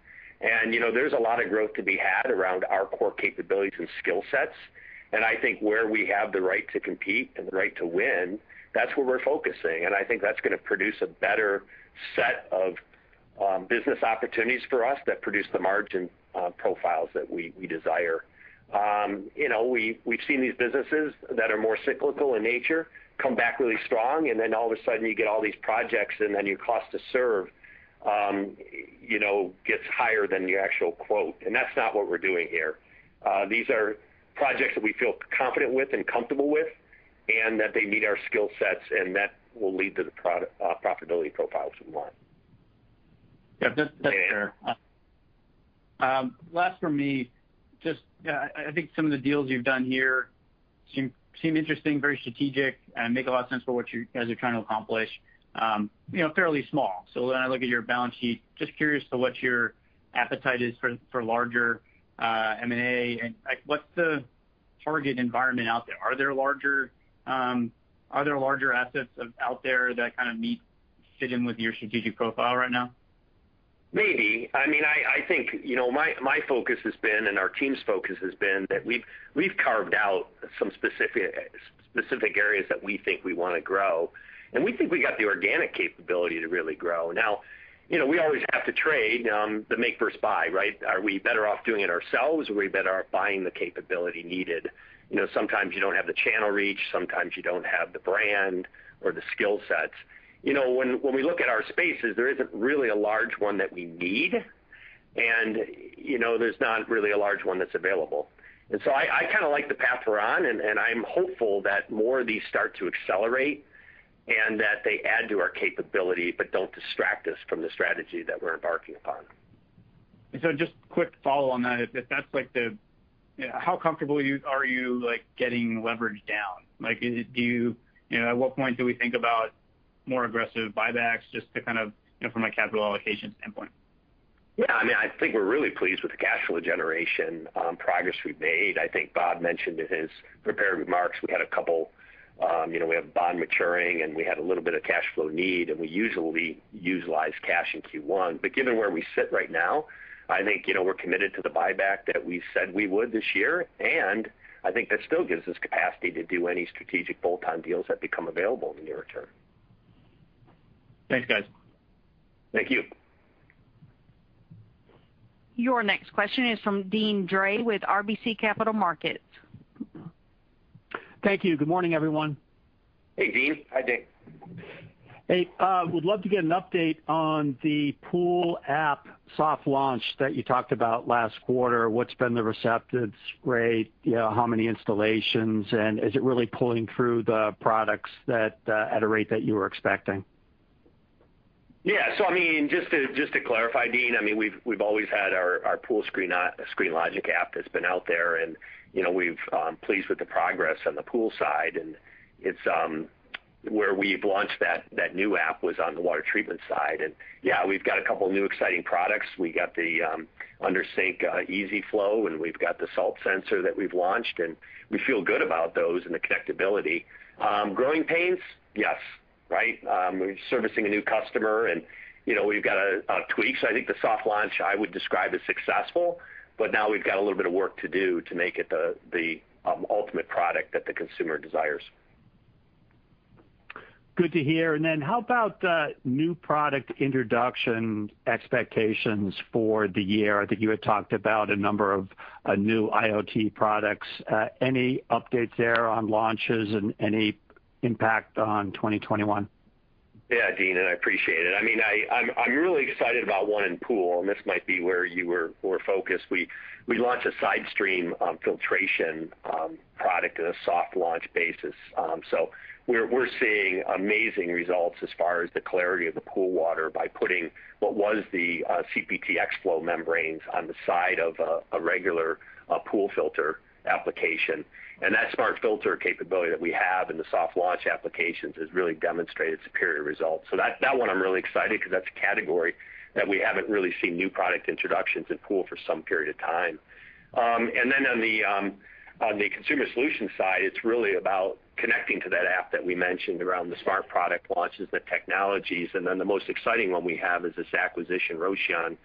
There's a lot of growth to be had around our core capabilities and skill sets. I think where we have the right to compete and the right to win, that's where we're focusing, and I think that's going to produce a better set of business opportunities for us that produce the margin profiles that we desire. We've seen these businesses that are more cyclical in nature come back really strong, and then all of a sudden you get all these projects, and then your cost to serve gets higher than the actual quote. That's not what we're doing here. These are projects that we feel confident with and comfortable with, and that they meet our skill sets, and that will lead to the profitability profiles we want. Yeah. That's fair. Last from me, just I think some of the deals you've done here seem interesting, very strategic, and make a lot of sense for what you guys are trying to accomplish. Fairly small. When I look at your balance sheet, just curious to what your appetite is for larger M&A and what's the target environment out there? Are there larger assets out there that kind of fit in with your strategic profile right now? Maybe. I think my focus has been, and our team's focus has been that we've carved out some specific areas that we think we want to grow, and we think we got the organic capability to really grow. We always have to trade the make versus buy, right? Are we better off doing it ourselves, or are we better off buying the capability needed? Sometimes you don't have the channel reach, sometimes you don't have the brand or the skill sets. When we look at our spaces, there isn't really a large one that we need, and there's not really a large one that's available. I kind of like the path we're on, and I'm hopeful that more of these start to accelerate and that they add to our capability but don't distract us from the strategy that we're embarking upon. Just quick follow on that. How comfortable are you getting leverage down? At what point do we think about more aggressive buybacks just from a capital allocation standpoint? Yeah. I think we're really pleased with the cash flow generation progress we've made. I think Bob mentioned in his prepared remarks we have a bond maturing, and we had a little bit of cash flow need, and we usually utilize cash in Q1. Given where we sit right now, I think we're committed to the buyback that we said we would this year. I think that still gives us capacity to do any strategic bolt-on deals that become available in the near term. Thanks, guys. Thank you. Your next question is from Deane Dray with RBC Capital Markets. Thank you. Good morning, everyone. Hey, Deane. Hi, Deane. Hey. Would love to get an update on the Pool app soft launch that you talked about last quarter. What's been the receptance rate? How many installations? Is it really pulling through the products at a rate that you were expecting? Just to clarify, Deane, we've always had our Pool ScreenLogic app that's been out there, and we've pleased with the progress on the Pool side. Where we've launched that new app was on the water treatment side. We've got a couple new exciting products. We got the under-sink Easy Flow, and we've got the salt sensor that we've launched, and we feel good about those and the connectability. Growing pains? Yes. We're servicing a new customer, and we've got tweaks. I think the soft launch, I would describe as successful, but now we've got a little bit of work to do to make it the ultimate product that the consumer desires. Good to hear. How about new product introduction expectations for the year? I think you had talked about a number of new IoT products. Any updates there on launches and any impact on 2021? Yeah, Deane, I appreciate it. I'm really excited about one in pool. This might be where you were more focused. We launched a side stream filtration product in a soft launch basis. We're seeing amazing results as far as the clarity of the pool water by putting what was the X-Flow membranes on the side of a regular pool filter application. That smart filter capability that we have in the soft launch applications has really demonstrated superior results. That one I'm really excited because that's a category that we haven't really seen new product introductions in pool for some period of time. Then on the Consumer Solutions side, it's really about connecting to that app that we mentioned around the smart product launches, the technologies. The most exciting one we have is this acquisition, Rocean,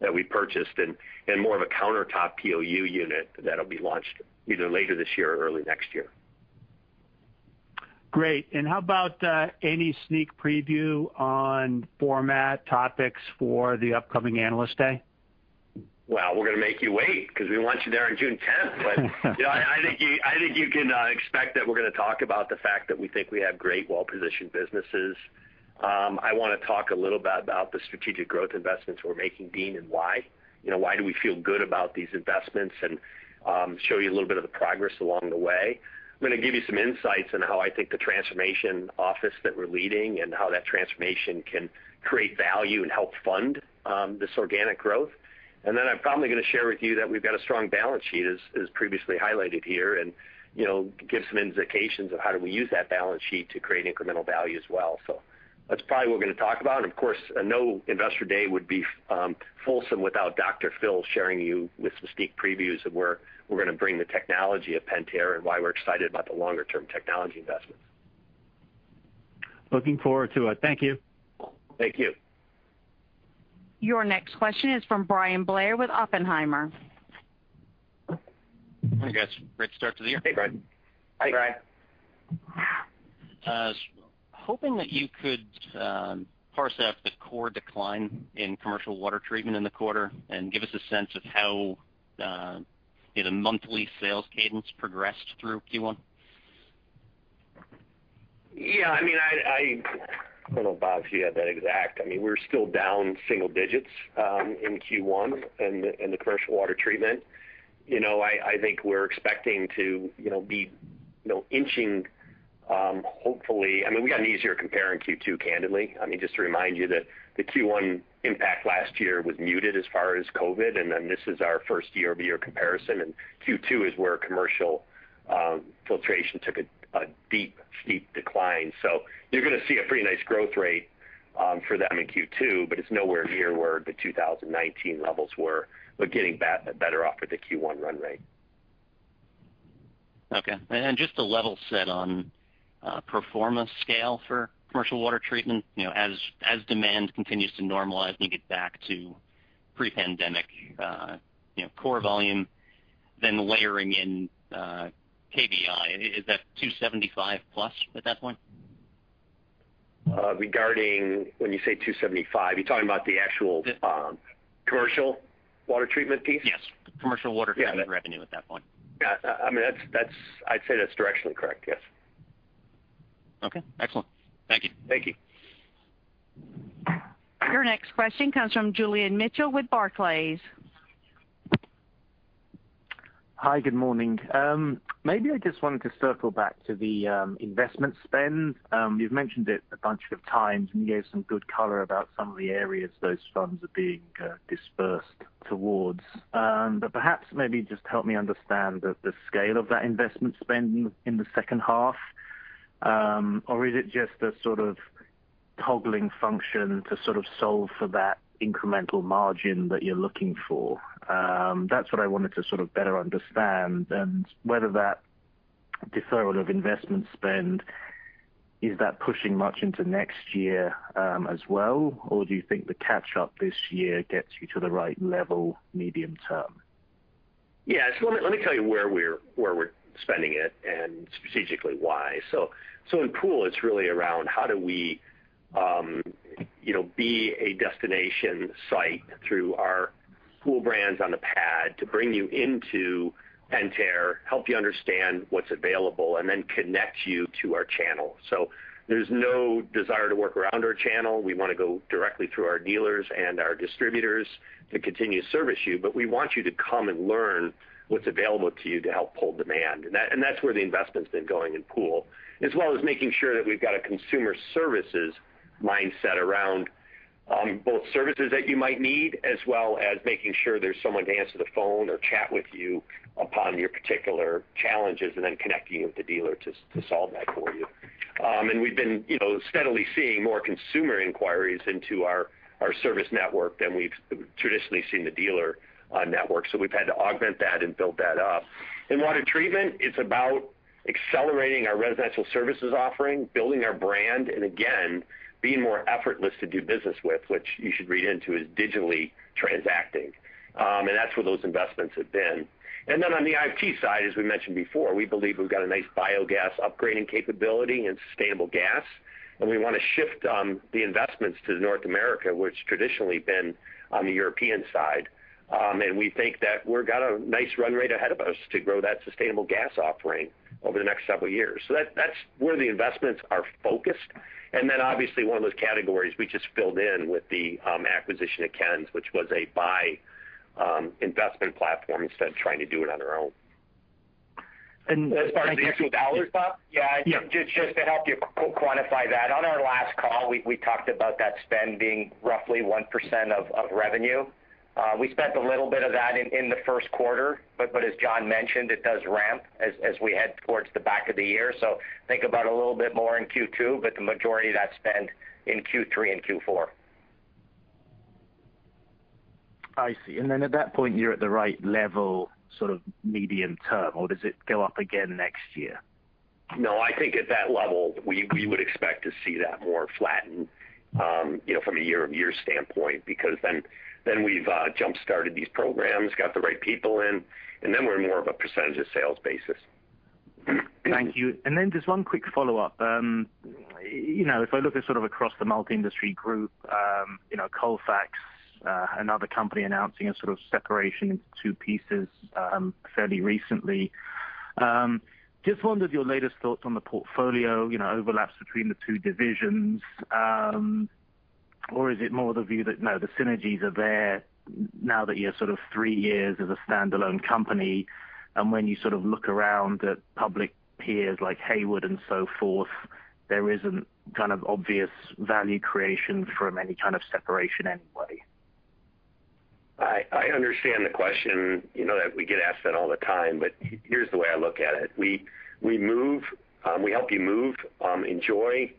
that we purchased in more of a countertop POU unit that'll be launched either later this year or early next year. Great. How about any sneak preview on format topics for the upcoming Analyst Day? We're going to make you wait because we want you there on June 10th. I think you can expect that we're going to talk about the fact that we think we have great well-positioned businesses. I want to talk a little bit about the strategic growth investments we're making, Deane, and why. Why do we feel good about these investments, and show you a little bit of the progress along the way. I'm going to give you some insights on how I think the transformation office that we're leading and how that transformation can create value and help fund this organic growth. I'm probably going to share with you that we've got a strong balance sheet, as previously highlighted here, and give some indications of how do we use that balance sheet to create incremental value as well. That's probably what we're going to talk about. Of course, no investor day would be fulsome without Phil Rolchigo sharing you with some sneak previews of where we're going to bring the technology of Pentair and why we're excited about the longer-term technology investments. Looking forward to it. Thank you. Thank you. Your next question is from Bryan Blair with Oppenheimer. Hi, guys. Great start to the year. Hey, Brian. Hi, Bryan. I was hoping that you could parse out the core decline in commercial water treatment in the quarter and give us a sense of how the monthly sales cadence progressed through Q1. Yeah. I don't know, Bob, if you have that exact. We're still down single digits in Q1 in the commercial water treatment. I think we're expecting to be inching. We got an easier compare in Q2, candidly. Just to remind you that the Q1 impact last year was muted as far as COVID, and then this is our first year-over-year comparison. Q2 is where commercial filtration took a deep, steep decline. You're going to see a pretty nice growth rate for that in Q2, but it's nowhere near where the 2019 levels were, but getting better off with the Q1 run rate. Okay. Just a level set on pro forma scale for commercial water treatment as demand continues to normalize and you get back to pre-pandemic core volume, then layering in KBI, is that $275+ million at that point? Regarding when you say $275 million, you're talking about the actual commercial water treatment piece? Yes. Commercial water treatment revenue at that point. Yeah. I'd say that's directionally correct, yes. Okay. Excellent. Thank you. Thank you. Your next question comes from Julian Mitchell with Barclays. Hi, good morning. Maybe I just wanted to circle back to the investment spend. You've mentioned it a bunch of times, and you gave some good color about some of the areas those funds are being dispersed towards. Perhaps maybe just help me understand the scale of that investment spend in the second half. Is it just a sort of toggling function to sort of solve for that incremental margin that you're looking for? That's what I wanted to sort of better understand, and whether that deferral of investment spend, is that pushing much into next year as well? Do you think the catch-up this year gets you to the right level medium-term? Yeah. Let me tell you where we're spending it and strategically why. In pool, it's really around how do we be a destination site through our pool brands on the pad to bring you into Pentair, help you understand what's available, and then connect you to our channel. There's no desire to work around our channel. We want to go directly through our dealers and our distributors to continue to service you. We want you to come and learn what's available to you to help pull demand. That's where the investment's been going in pool, as well as making sure that we've got a consumer services mindset around both services that you might need, as well as making sure there's someone to answer the phone or chat with you upon your particular challenges, and then connecting you with the dealer to solve that for you. We've been steadily seeing more consumer inquiries into our service network than we've traditionally seen the dealer network. We've had to augment that and build that up. In water treatment, it's about accelerating our residential services offering, building our brand, and again, being more effortless to do business with, which you should read into as digitally transacting. That's where those investments have been. On the IFT side, as we mentioned before, we believe we've got a nice biogas upgrading capability and sustainable gas, and we want to shift the investments to North America, which traditionally been on the European side. We think that we've got a nice run rate ahead of us to grow that sustainable gas offering over the next several years. That's where the investments are focused. Obviously one of those categories we just filled in with the acquisition of Ken's, which was a buy investment platform instead of trying to do it on our own. And- As far as the actual dollars, Bob? Yeah. Yeah. Just to help you quantify that, on our last call, we talked about that spend being roughly 1% of revenue. We spent a little bit of that in the first quarter, but as John mentioned, it does ramp as we head towards the back of the year. Think about a little bit more in Q2, but the majority of that spend in Q3 and Q4. I see. At that point, you're at the right level sort of medium-term, or does it go up again next year? No, I think at that level, we would expect to see that more flattened from a year-over-year standpoint, because then we've jump-started these programs, got the right people in, and then we're in more of a percentage of sales basis. Thank you. Just one quick follow-up. If I look at sort of across the multi-industry group, Colfax, another company announcing a sort of separation into two pieces fairly recently. Just wondered your latest thoughts on the portfolio overlaps between the two divisions. Is it more the view that no, the synergies are there now that you're sort of three years as a standalone company, and when you sort of look around at public peers like Hayward and so forth, there isn't kind of obvious value creation from any kind of separation anyway? I understand the question. We get asked that all the time, but here's the way I look at it. We help you move, enjoy,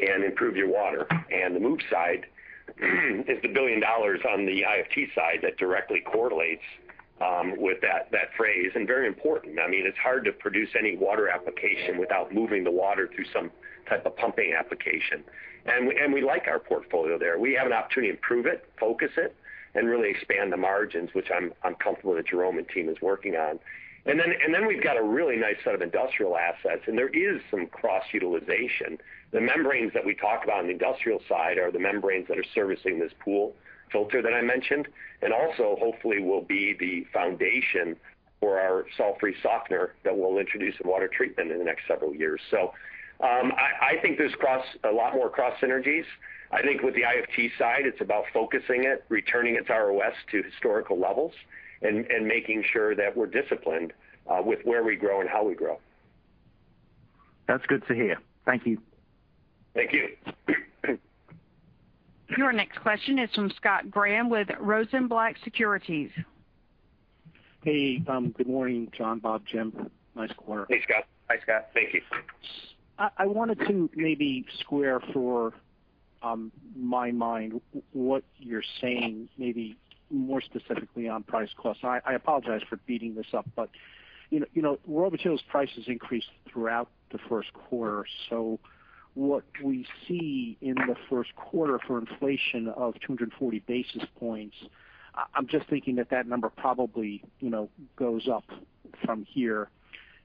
and improve your water. The move side is the $1 billion on the IFT that directly correlates with that phrase, and very important. It's hard to produce any water application without moving the water through some type of pumping application. We like our portfolio there. We have an opportunity to improve it, focus it, and really expand the margins, which I'm comfortable that Jerome and team is working on. We've got a really nice set of industrial assets, and there is some cross-utilization. The membranes that we talk about on the industrial side are the membranes that are servicing this pool filter that I mentioned, and also hopefully will be the foundation for our salt-free softener that we'll introduce in water treatment in the next several years. I think there's a lot more cross synergies. I think with the IFT side, it's about focusing it, returning its ROS to historical levels, and making sure that we're disciplined with where we grow and how we grow. That's good to hear. Thank you. Thank you. Your next question is from Scott Graham with Rosenblatt Securities. Hey, good morning, John, Bob, Jim. Nice quarter. Hey, Scott. Hi, Scott. Thank you. I wanted to maybe square for my mind what you're saying, maybe more specifically on price cost. I apologize for beating this up, but raw materials prices increased throughout the first quarter. What we see in the first quarter for inflation of 240 basis points, I'm just thinking that that number probably goes up from here.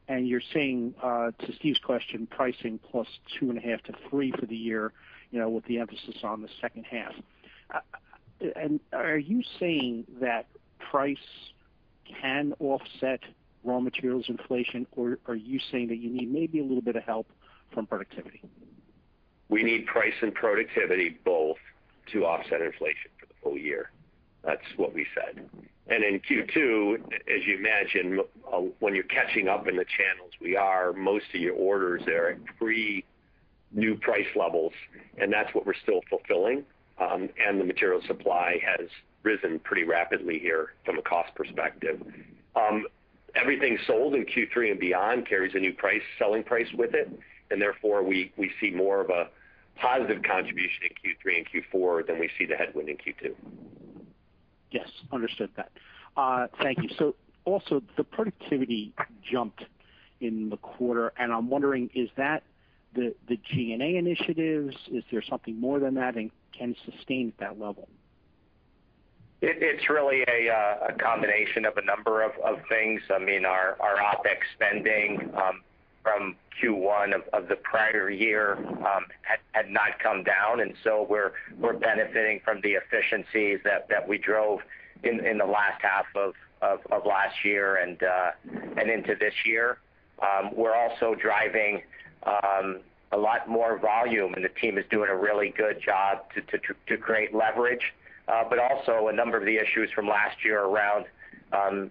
You're saying, to Steve's question, pricing plus two and a half to three for the year, with the emphasis on the second half. Are you saying that price can offset raw materials inflation, or are you saying that you need maybe a little bit of help from productivity? We need price and productivity both to offset inflation for the full year. That's what we said. In Q2, as you imagine, when you're catching up in the channels we are, most of your orders are at pre-new price levels, and that's what we're still fulfilling. The material supply has risen pretty rapidly here from a cost perspective. Everything sold in Q3 and beyond carries a new selling price with it, and therefore, we see more of a positive contribution in Q3 and Q4 than we see the headwind in Q2. Yes. Understood that. Thank you. Also, the productivity jumped in the quarter, and I'm wondering, is that the G&A initiatives? Is there something more than that and can sustain at that level? It's really a combination of a number of things. Our OpEx spending from Q1 of the prior year had not come down, and so we're benefiting from the efficiencies that we drove in the last half of last year and into this year. We're also driving a lot more volume, and the team is doing a really good job to create leverage. A number of the issues from last year around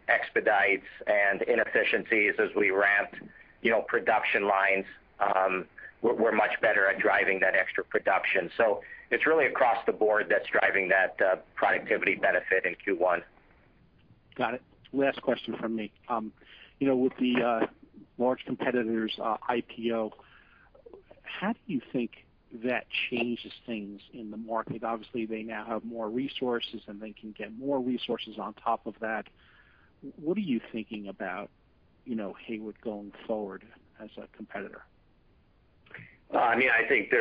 expedites and inefficiencies as we ramped production lines were much better at driving that extra production. It's really across the board that's driving that productivity benefit in Q1. Got it. Last question from me. With the large competitor's IPO, how do you think that changes things in the market? Obviously, they now have more resources, and they can get more resources on top of that. What are you thinking about Hayward going forward as a competitor? I think they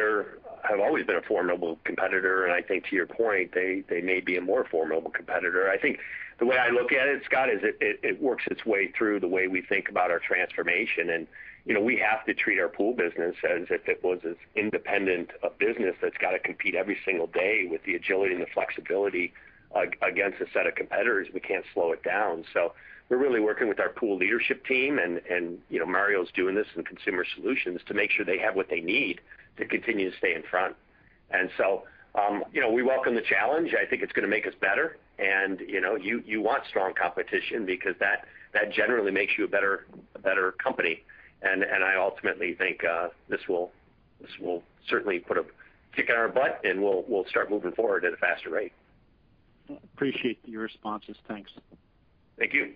have always been a formidable competitor, and I think to your point, they may be a more formidable competitor. I think the way I look at it, Scott, is it works its way through the way we think about our transformation. We have to treat our pool business as if it was this independent business that's got to compete every single day with the agility and the flexibility against a set of competitors. We can't slow it down. We're really working with our pool leadership team, and Mario's doing this in Consumer Solutions, to make sure they have what they need to continue to stay in front. We welcome the challenge. I think it's going to make us better. You want strong competition because that generally makes you a better company. I ultimately think this will certainly put a kick in our butt, and we'll start moving forward at a faster rate. Appreciate your responses. Thanks. Thank you.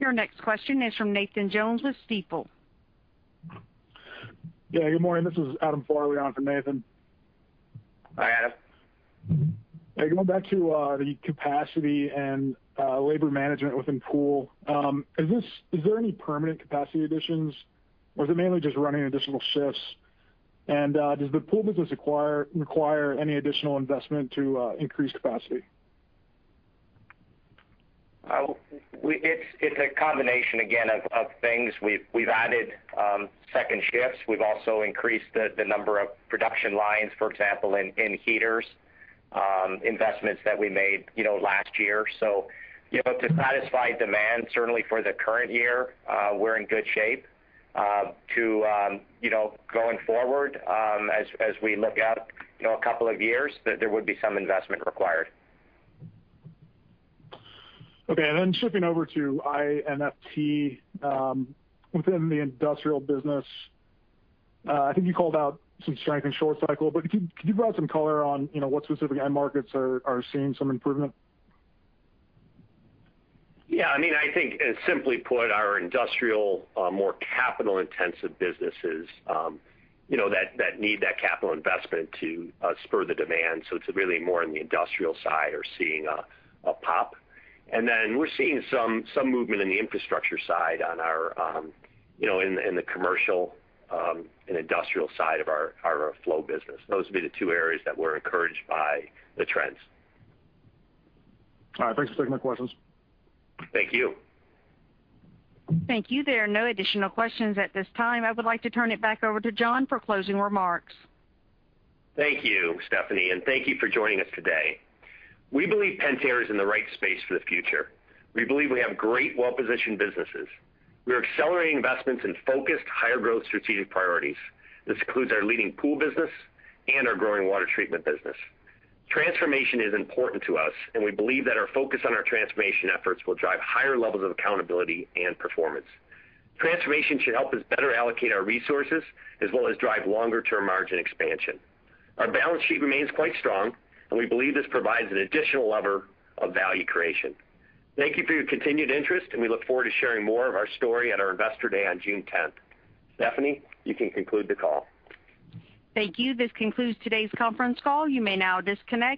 Your next question is from Nathan Jones of Stifel. Yeah. Good morning. This is Adam Farley on for Nathan. Hi, Adam. Yeah. Going back to the capacity and labor management within Pool, is there any permanent capacity additions, or is it mainly just running additional shifts? Does the Pool business require any additional investment to increase capacity? It's a combination, again, of things. We've added second shifts. We've also increased the number of production lines, for example, in heaters, investments that we made last year. To satisfy demand, certainly for the current year, we're in good shape. Going forward, as we look out a couple of years, there would be some investment required. Okay. Shifting over to IFT. Within the industrial business, I think you called out some strength in short cycle, could you provide some color on what specific end markets are seeing some improvement? Yeah. I think simply put, our industrial, more capital-intensive businesses that need that capital investment to spur the demand. It's really more in the industrial side are seeing a pop. We're seeing some movement in the infrastructure side in the commercial and industrial side of our flow business. Those would be the two areas that we're encouraged by the trends. All right. Thanks for taking my questions. Thank you. Thank you. There are no additional questions at this time. I would like to turn it back over to John for closing remarks. Thank you, Stephanie, and thank you for joining us today. We believe Pentair is in the right space for the future. We believe we have great, well-positioned businesses. We are accelerating investments in focused, higher-growth strategic priorities. This includes our leading pool business and our growing water treatment business. Transformation is important to us, and we believe that our focus on our transformation efforts will drive higher levels of accountability and performance. Transformation should help us better allocate our resources as well as drive longer-term margin expansion. Our balance sheet remains quite strong, and we believe this provides an additional lever of value creation. Thank you for your continued interest, and we look forward to sharing more of our story at our Investor Day on June 10th. Stephanie, you can conclude the call. Thank you. This concludes today's conference call. You may now disconnect.